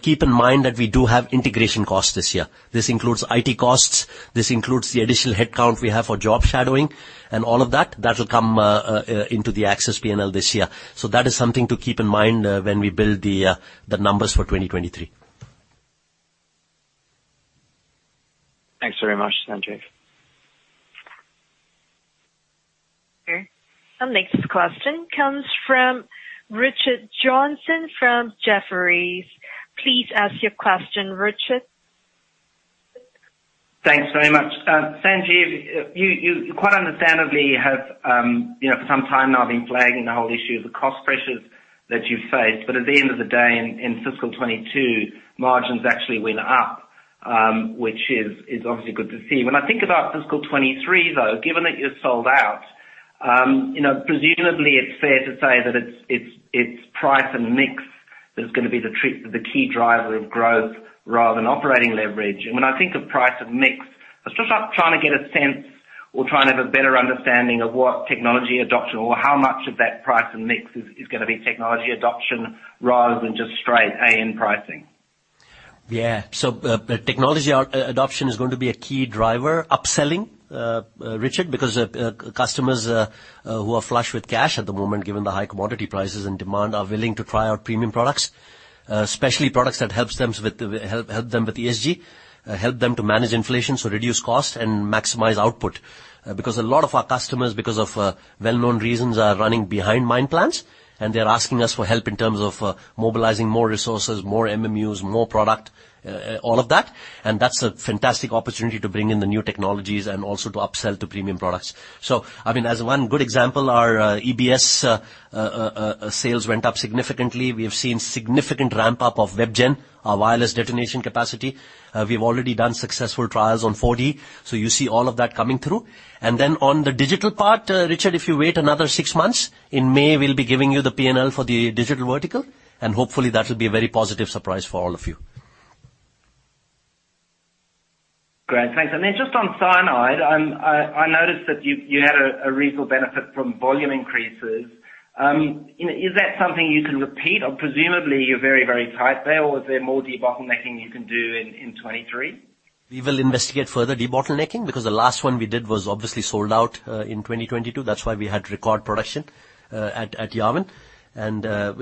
Keep in mind that we do have integration costs this year. This includes IT costs. This includes the additional headcount we have for job shadowing and all of that will come into the Axis P&L this year. That is something to keep in mind when we build the numbers for 2023. Thanks very much, Sanjeev. Our next question comes from Richard Johnson from Jefferies. Please ask your question, Richard. Thanks very much. Sanjeev, you quite understandably have, you know, for some time now been flagging the whole issue of the cost pressures that you face. At the end of the day in fiscal 2022, margins actually went up, which is obviously good to see. When I think about fiscal 2023 though, given that you're sold out, you know, presumably it's fair to say that it's price and mix that is gonna be the key driver of growth rather than operating leverage. When I think of price and mix, we're trying to have a better understanding of what technology adoption or how much of that price and mix is gonna be technology adoption rather than just straight AN pricing. Yeah, the technology adoption is going to be a key driver. Upselling, Richard, because customers who are flush with cash at the moment, given the high commodity prices and demand, are willing to try our premium products, especially products that help them with ESG, help them to manage inflation, so reduce cost and maximize output. Because a lot of our customers, because of well-known reasons, are running behind mine plans, and they're asking us for help in terms of mobilizing more resources, more MMUs, more product, all of that. That's a fantastic opportunity to bring in the new technologies and also to upsell to premium products. I mean, as one good example, our EBS sales went up significantly. We have seen significant ramp-up of WebGen, our wireless detonation capacity. We've already done successful trials on 4G. You see all of that coming through. Then on the digital part, Richard, if you wait another six months, in May we'll be giving you the P&L for the digital vertical, and hopefully that will be a very positive surprise for all of you. Great. Thanks. Just on Cyanide, I noticed that you had a reasonable benefit from volume increases. You know, is that something you can repeat? Or presumably you're very, very tight there, or is there more debottlenecking you can do in 2023? We will investigate further debottlenecking because the last one we did was obviously sold out in 2022. That's why we had record production at Yarwun.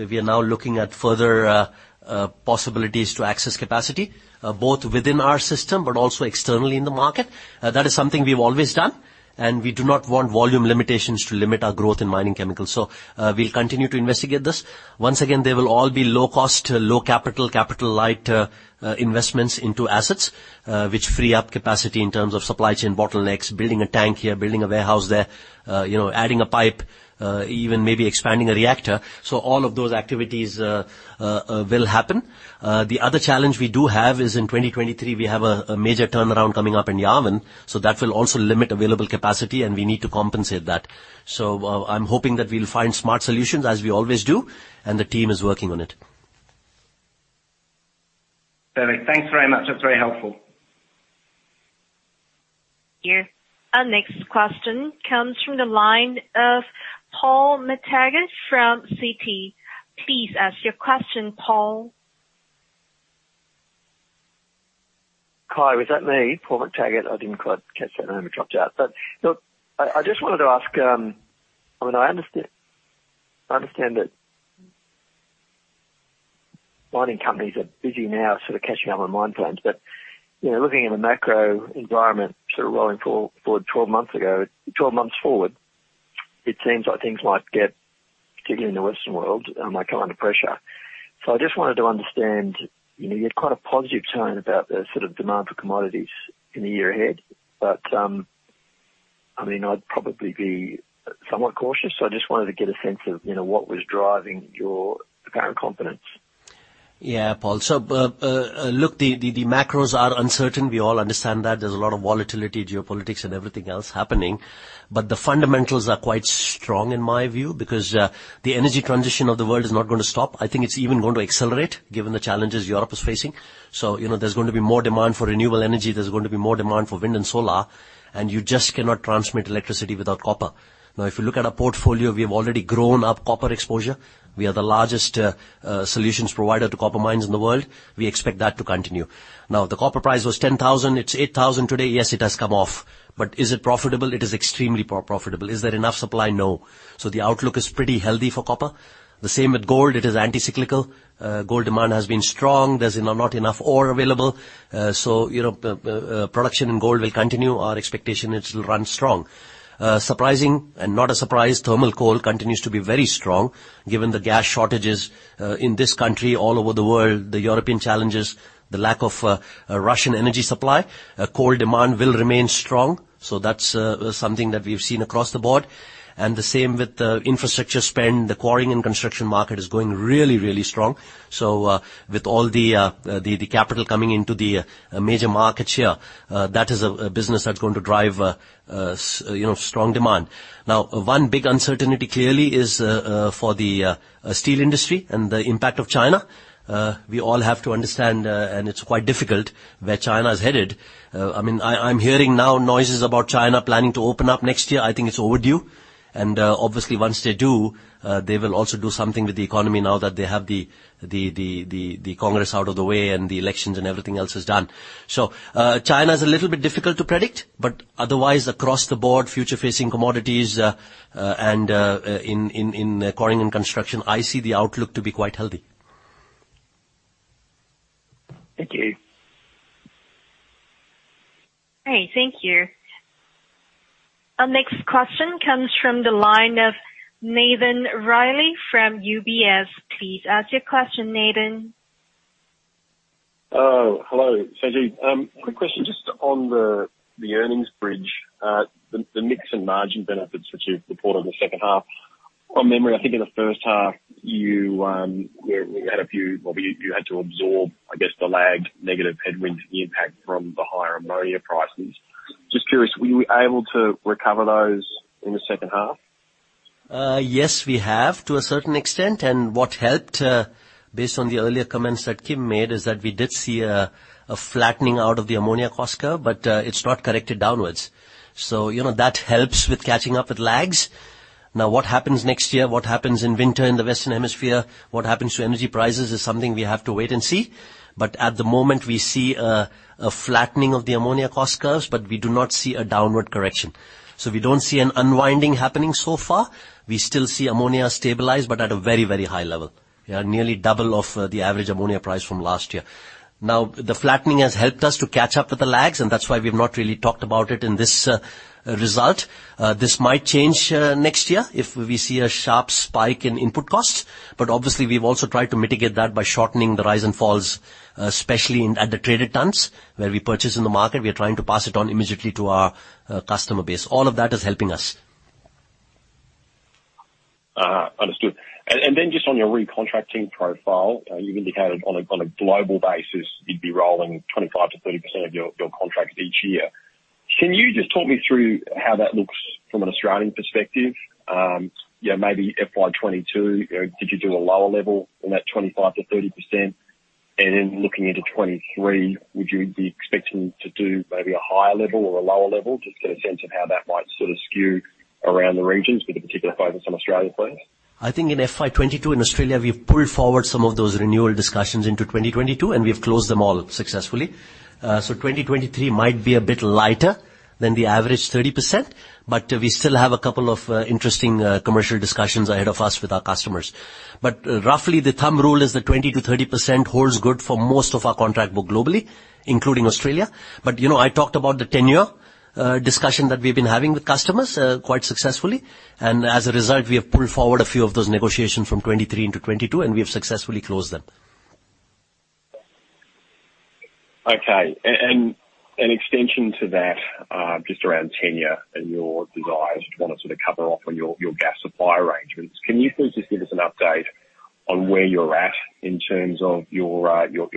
We are now looking at further possibilities to access capacity both within our system but also externally in the market. That is something we've always done, and we do not want volume limitations to limit our growth in Mining Chemicals. We'll continue to investigate this. Once again, they will all be low cost, low capital light investments into assets which free up capacity in terms of supply chain bottlenecks, building a tank here, building a warehouse there, you know, adding a pipe, even maybe expanding a reactor. All of those activities will happen. The other challenge we do have is in 2023, we have a major turnaround coming up in Yarwun, so that will also limit available capacity, and we need to compensate that. I'm hoping that we'll find smart solutions as we always do, and the team is working on it. Perfect. Thanks very much. That's very helpful. Thank you. Our next question comes from the line of Paul McTaggart from Citi. Please ask your question, Paul. Hi. Was that me, Paul McTaggart? I didn't quite catch that name. It dropped out. Look, I just wanted to ask. I mean, I understand that mining companies are busy now sort of catching up on mine plans. You know, looking in the macro environment, sort of rolling forward 12 months forward, it seems like things might get, particularly in the Western world, like under pressure. I just wanted to understand. You know, you had quite a positive tone about the sort of demand for commodities in the year ahead. I mean, I'd probably be somewhat cautious. I just wanted to get a sense of, you know, what was driving your apparent confidence. Yeah, Paul. Look, the macros are uncertain. We all understand that. There's a lot of volatility, geopolitics and everything else happening. The fundamentals are quite strong in my view because the energy transition of the world is not gonna stop. I think it's even going to accelerate given the challenges Europe is facing. You know, there's going to be more demand for renewable energy. There's going to be more demand for wind and solar, and you just cannot transmit electricity without copper. Now, if you look at our portfolio, we have already grown our copper exposure. We are the largest solutions provider to copper mines in the world. We expect that to continue. Now, the copper price was $10,000. It's $8,000 today. Yes, it has come off. Is it profitable? It is extremely profitable. Is there enough supply? No. The outlook is pretty healthy for copper. The same with gold. It is anti-cyclical. Gold demand has been strong. There's, you know, not enough ore available. Production in gold will continue. Our expectation is it'll run strong. Surprising and not a surprise, thermal coal continues to be very strong given the gas shortages in this country, all over the world, the European challenges, the lack of Russian energy supply. Coal demand will remain strong. That's something that we've seen across the board. The same with infrastructure spend. The Quarrying and Construction market is going really, really strong. With all the capital coming into the major markets here, that is a business that's going to drive strong demand. Now, one big uncertainty clearly is for the steel industry and the impact of China. We all have to understand, and it's quite difficult where China is headed. I mean, I'm hearing now noises about China planning to open up next year. I think it's overdue. Obviously once they do, they will also do something with the economy now that they have the Congress out of the way and the elections and everything else is done. China is a little bit difficult to predict, but otherwise across the board, future facing commodities, and in Quarrying and Construction, I see the outlook to be quite healthy. Thank you. Great. Thank you. Our next question comes from the line of Nathan Reilly from UBS. Please ask your question, Nathan. Oh, hello, Sanjeev Gandhi. Quick question just on the earnings bridge. The mix and margin benefits that you've reported in the second half. From memory, I think in the first half you know you had to absorb, I guess, the lagged negative headwinds from the impact from the higher ammonia prices. Just curious, were you able to recover those in the second half? Yes, we have to a certain extent. What helped, based on the earlier comments that Kim made, is that we did see a flattening out of the ammonia cost curve, but it's not corrected downwards. You know, that helps with catching up with lags. What happens next year? What happens in winter in the Western Hemisphere? What happens to energy prices is something we have to wait and see. At the moment, we see a flattening of the ammonia cost curves, but we do not see a downward correction. We don't see an unwinding happening so far. We still see ammonia stabilize, but at a very, very high level. We are nearly double of the average ammonia price from last year. Now, the flattening has helped us to catch up with the lags, and that's why we've not really talked about it in this result. This might change next year if we see a sharp spike in input costs. Obviously, we've also tried to mitigate that by shortening the rise and falls, especially at the traded tons where we purchase in the market, we are trying to pass it on immediately to our customer base. All of that is helping us. Understood. Just on your recontracting profile, you indicated on a global basis, you'd be rolling 25%-30% of your contracts each year. Can you just talk me through how that looks from an Australian perspective? You know, maybe FY 2022, you know, did you do a lower level in that 25%-30%? Looking into 2023, would you be expecting to do maybe a higher level or a lower level? Just get a sense of how that might sort of skew around the regions with a particular focus on Australia, please. I think in FY 2022 in Australia, we've pulled forward some of those renewal discussions into 2022, and we've closed them all successfully. 2023 might be a bit lighter than the average 30%, but we still have a couple of interesting commercial discussions ahead of us with our customers. Roughly, the rule of thumb is that 20%-30% holds good for most of our contract book globally, including Australia. You know, I talked about the tenure discussion that we've been having with customers quite successfully. As a result, we have pulled forward a few of those negotiations from 2023 into 2022, and we have successfully closed them. Okay. An extension to that, just around tenure and your desire to wanna sort of cover off on your gas supply arrangements. Can you please just give us an update on where you're at in terms of your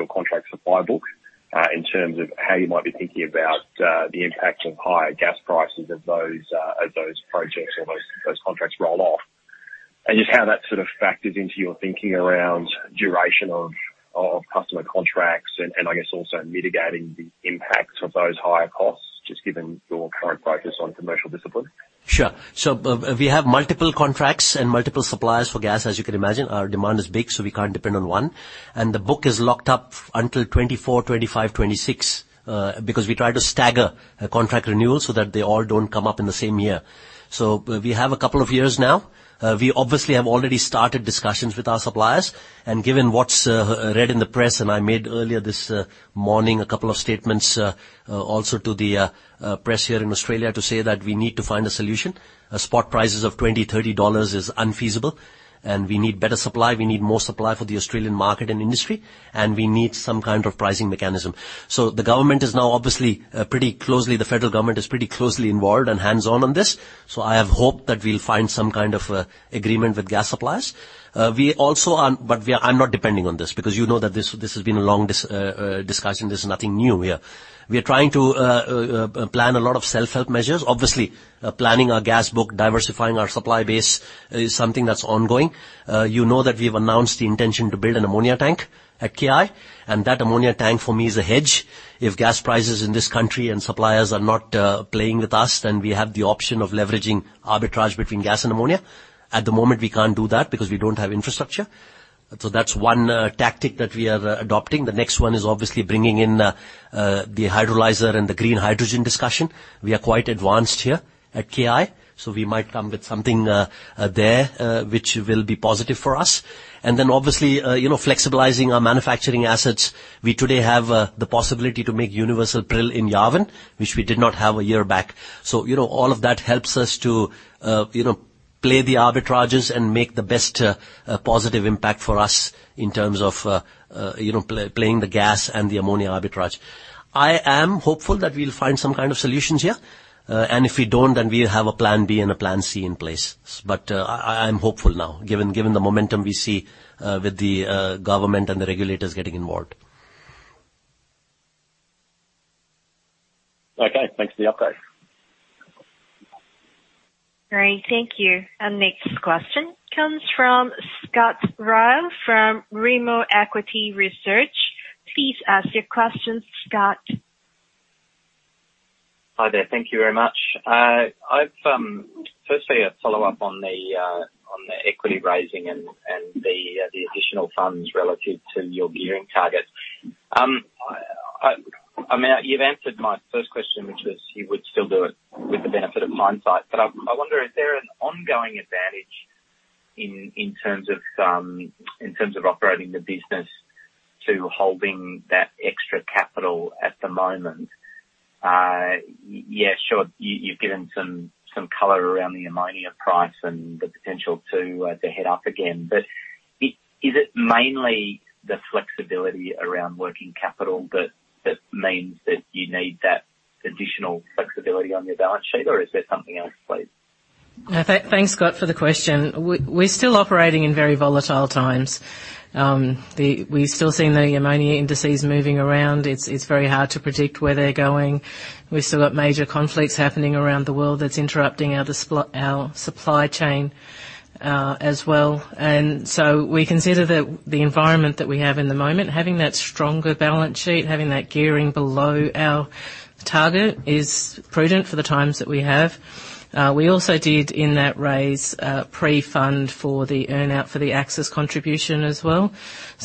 contract supply book, in terms of how you might be thinking about the impact of higher gas prices as those projects or those contracts roll off? Just how that sort of factors into your thinking around duration of customer contracts and I guess also mitigating the impact of those higher costs, just given your current focus on commercial discipline. Sure. We have multiple contracts and multiple suppliers for Gas. As you can imagine, our demand is big, so we can't depend on one. The book is locked up until 2024, 2025, 2026, because we try to stagger contract renewals so that they all don't come up in the same year. We have a couple of years now. We obviously have already started discussions with our suppliers and given what's read in the press, and I made earlier this morning a couple of statements, also to the press here in Australia to say that we need to find a solution. Spot prices of AUD 20-AUD 30 is unfeasible, and we need better supply. We need more supply for the Australian market and industry, and we need some kind of pricing mechanism. The government is now obviously pretty closely. The federal government is pretty closely involved and hands-on on this, so I have hope that we'll find some kind of agreement with gas suppliers. I'm not depending on this because you know that this has been a long discussion. This is nothing new here. We are trying to plan a lot of self-help measures. Obviously, planning our gas book, diversifying our supply base is something that's ongoing. You know that we've announced the intention to build an ammonia tank at KI, and that ammonia tank for me is a hedge. If gas prices in this country and suppliers are not playing with us, then we have the option of leveraging arbitrage between gas and ammonia. At the moment, we can't do that because we don't have infrastructure. That's one tactic that we are adopting. The next one is obviously bringing in the electrolyzer and the green hydrogen discussion. We are quite advanced here at KI, so we might come with something there which will be positive for us. Obviously, you know, flexibilizing our manufacturing assets. We today have the possibility to make universal prill in Yarwun, which we did not have a year back. You know, all of that helps us to, you know, play the arbitrages and make the best positive impact for us in terms of, you know, playing the gas and the ammonia arbitrage. I am hopeful that we'll find some kind of solutions here. If we don't, then we have a plan B and a plan C in place. I'm hopeful now, given the momentum we see with the government and the regulators getting involved. Okay. Thanks for the update. Great. Thank you. Next question comes from Scott Ryall from Rimor Equity Research. Please ask your question, Scott. Hi there. Thank you very much. I've firstly a follow-up on the equity raising and the additional funds relative to your gearing targets. I mean, you've answered my first question, which was you would still do it with the benefit of hindsight. I wonder, is there an ongoing advantage in terms of operating the business to holding that extra capital at the moment? Yes, sure. You've given some color around the ammonia price and the potential to head up again. Is it mainly the flexibility around working capital that means that you need that additional flexibility on your balance sheet, or is there something else please? Thanks, Scott, for the question. We're still operating in very volatile times. We're still seeing the ammonia indices moving around. It's very hard to predict where they're going. We've still got major conflicts happening around the world that's interrupting our supply chain, as well. We consider the environment that we have in the moment, having that stronger balance sheet, having that gearing below our target is prudent for the times that we have. We also did, in that raise, pre-fund for the earn-out for the Axis contribution as well.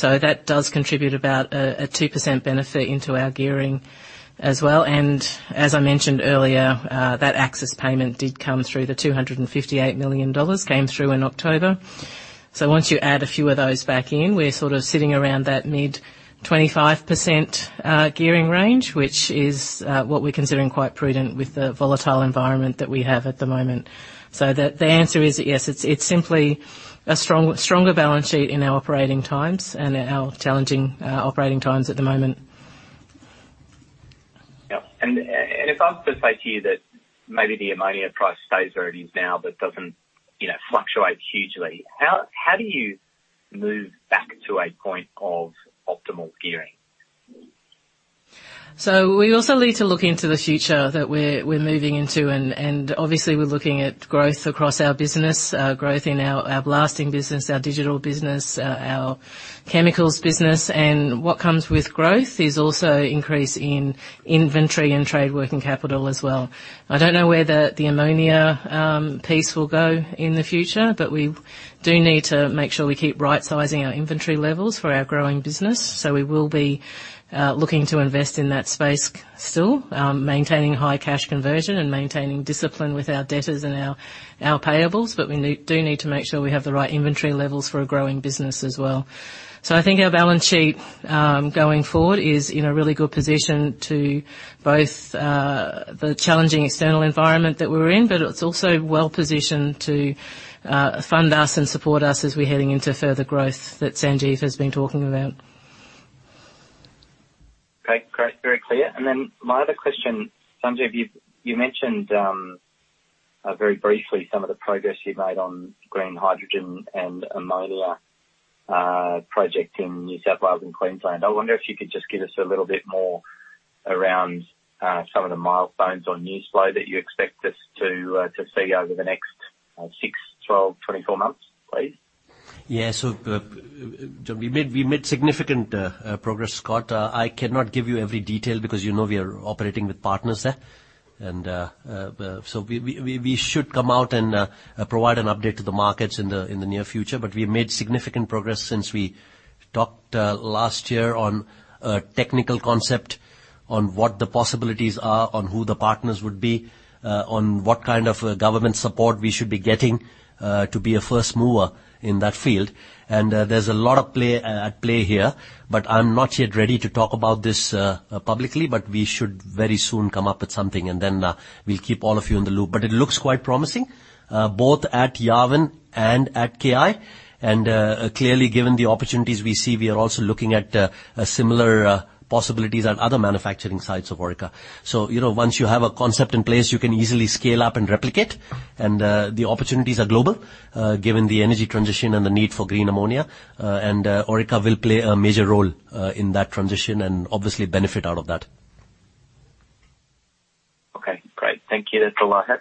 That does contribute about a 2% benefit into our gearing as well. As I mentioned earlier, that Axis payment did come through. The 258 million dollars came through in October. Once you add a few of those back in, we're sort of sitting around that mid-25% gearing range, which is what we're considering quite prudent with the volatile environment that we have at the moment. The answer is yes, it's simply a stronger balance sheet in our operating times and our challenging operating times at the moment. If I was to say to you that maybe the ammonia price stays where it is now, but doesn't, you know, fluctuate hugely, how do you move back to a point of optimal gearing? We also need to look into the future that we're moving into. Obviously we're looking at growth across our business, growth in our Blasting business, our digital business, our chemicals business. What comes with growth is also increase in inventory and trade working capital as well. I don't know where the ammonia piece will go in the future, but we do need to make sure we keep right-sizing our inventory levels for our growing business. We will be looking to invest in that space still, maintaining high cash conversion and maintaining discipline with our debtors and our payables. We do need to make sure we have the right inventory levels for a growing business as well. I think our balance sheet, going forward, is in a really good position to both the challenging external environment that we're in, but it's also well-positioned to fund us and support us as we're heading into further growth that Sanjeev has been talking about. Okay, great. Very clear. My other question, Sanjeev, you mentioned very briefly some of the progress you've made on green hydrogen and ammonia project in New South Wales and Queensland. I wonder if you could just give us a little bit more around some of the milestones on Newcastle that you expect us to see over the next six, 12, 24 months, please. Yeah. We made significant progress, Scott. I cannot give you every detail because you know we are operating with partners there. We should come out and provide an update to the markets in the near future. We've made significant progress since we talked last year on a technical concept on what the possibilities are, on who the partners would be, on what kind of government support we should be getting to be a first mover in that field. There's a lot at play here, but I'm not yet ready to talk about this publicly. We should very soon come up with something, and then we'll keep all of you in the loop. It looks quite promising, both at Yarwun and at KI. Clearly, given the opportunities we see, we are also looking at similar possibilities at other manufacturing sites of Orica. You know, once you have a concept in place, you can easily scale up and replicate. The opportunities are global, given the energy transition and the need for green ammonia. Orica will play a major role in that transition and obviously benefit out of that. Okay, great. Thank you. That's all I had.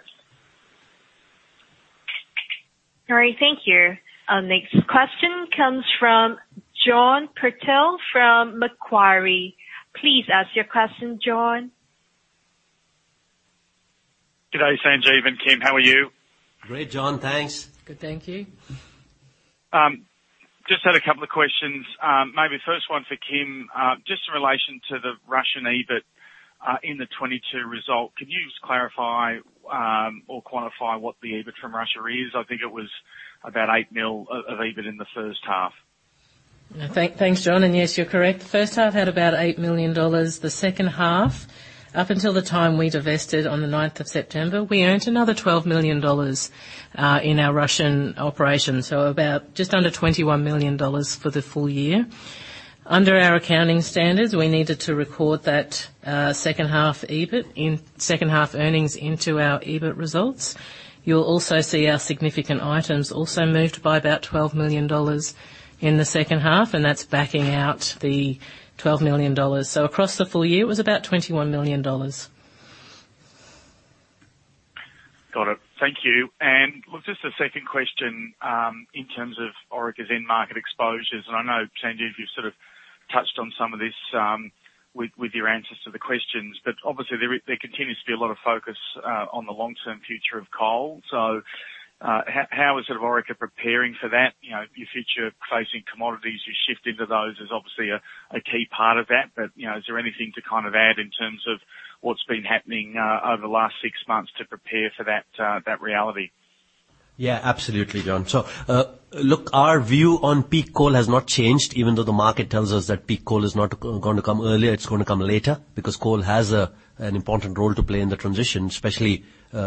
All right. Thank you. Our next question comes from John Purtell from Macquarie. Please ask your question, John. G'day, Sanjeev and Kim. How are you? Great, John. Thanks. Good, thank you. Just had a couple of questions. Maybe first one for Kim, just in relation to the Russian EBIT in the 2022 result. Can you just clarify or quantify what the EBIT from Russia is? I think it was about 8 million of EBIT in the first half. Thanks, John. Yes, you're correct. The first half had about 8 million dollars. The second half, up until the time we divested on the 9th of September, we earned another 12 million dollars in our Russian operations, so about just under 21 million dollars for the full year. Under our accounting standards, we needed to record that second half earnings into our EBIT results. You'll also see our significant items also moved by about 12 million dollars in the second half, and that's backing out the 12 million dollars. Across the full year it was about 21 million dollars. Got it. Thank you. Look, just a second question, in terms of Orica's end market exposures, and I know, Sanjeev, you've sort of touched on some of this, with your answers to the questions, but obviously there continues to be a lot of focus, on the long-term future of coal. How is sort of Orica preparing for that? You know, your future facing commodities, you shift into those is obviously a key part of that. You know, is there anything to kind of add in terms of what's been happening, over the last six months to prepare for that reality? Yeah, absolutely, John. Look, our view on peak coal has not changed even though the market tells us that peak coal is not gonna come earlier, it's gonna come later, because coal has an important role to play in the transition, especially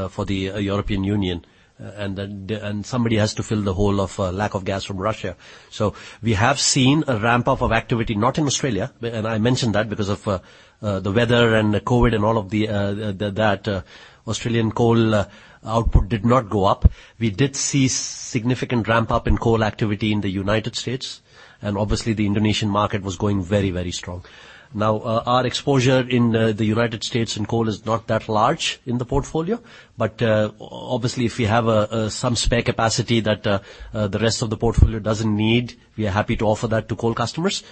for the European Union. Somebody has to fill the hole of lack of gas from Russia. We have seen a ramp up of activity, not in Australia, and I mentioned that because of the weather and the COVID and all of that Australian coal output did not go up. We did see significant ramp up in coal activity in the United States, and obviously the Indonesian market was going very, very strong. Now, our exposure in the United States in coal is not that large in the portfolio, but obviously if we have some spare capacity that the rest of the portfolio doesn't need, we are happy to offer that to coal customers.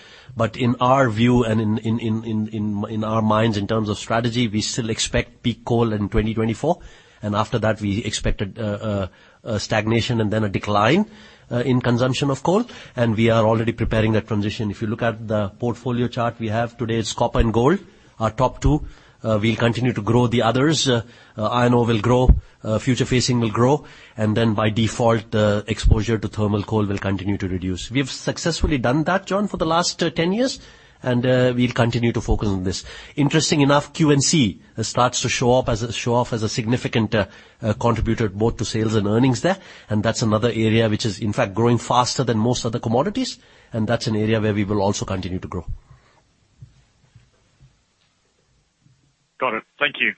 In our view and in our minds in terms of strategy, we still expect peak coal in 2024. After that we expect a stagnation and then a decline in consumption of coal. We are already preparing that transition. If you look at the portfolio chart we have today, it's copper and gold, our top two. We'll continue to grow the others. Iron ore will grow, future facing will grow, and then by default, exposure to thermal coal will continue to reduce. We've successfully done that, John, for the last 10 years, and we'll continue to focus on this. Interesting enough, Q&C starts to show up as a significant contributor both to sales and earnings there. That's another area which is in fact growing faster than most other commodities. That's an area where we will also continue to grow. Got it. Thank you.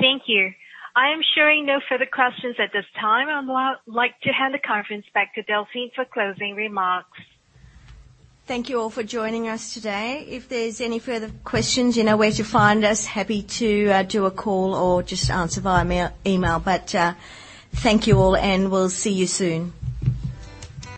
Thank you. I am showing no further questions at this time. I would like to hand the conference back to Delphine for closing remarks. Thank you all for joining us today. If there's any further questions, you know where to find us. Happy to do a call or just answer via email. Thank you all, and we'll see you soon.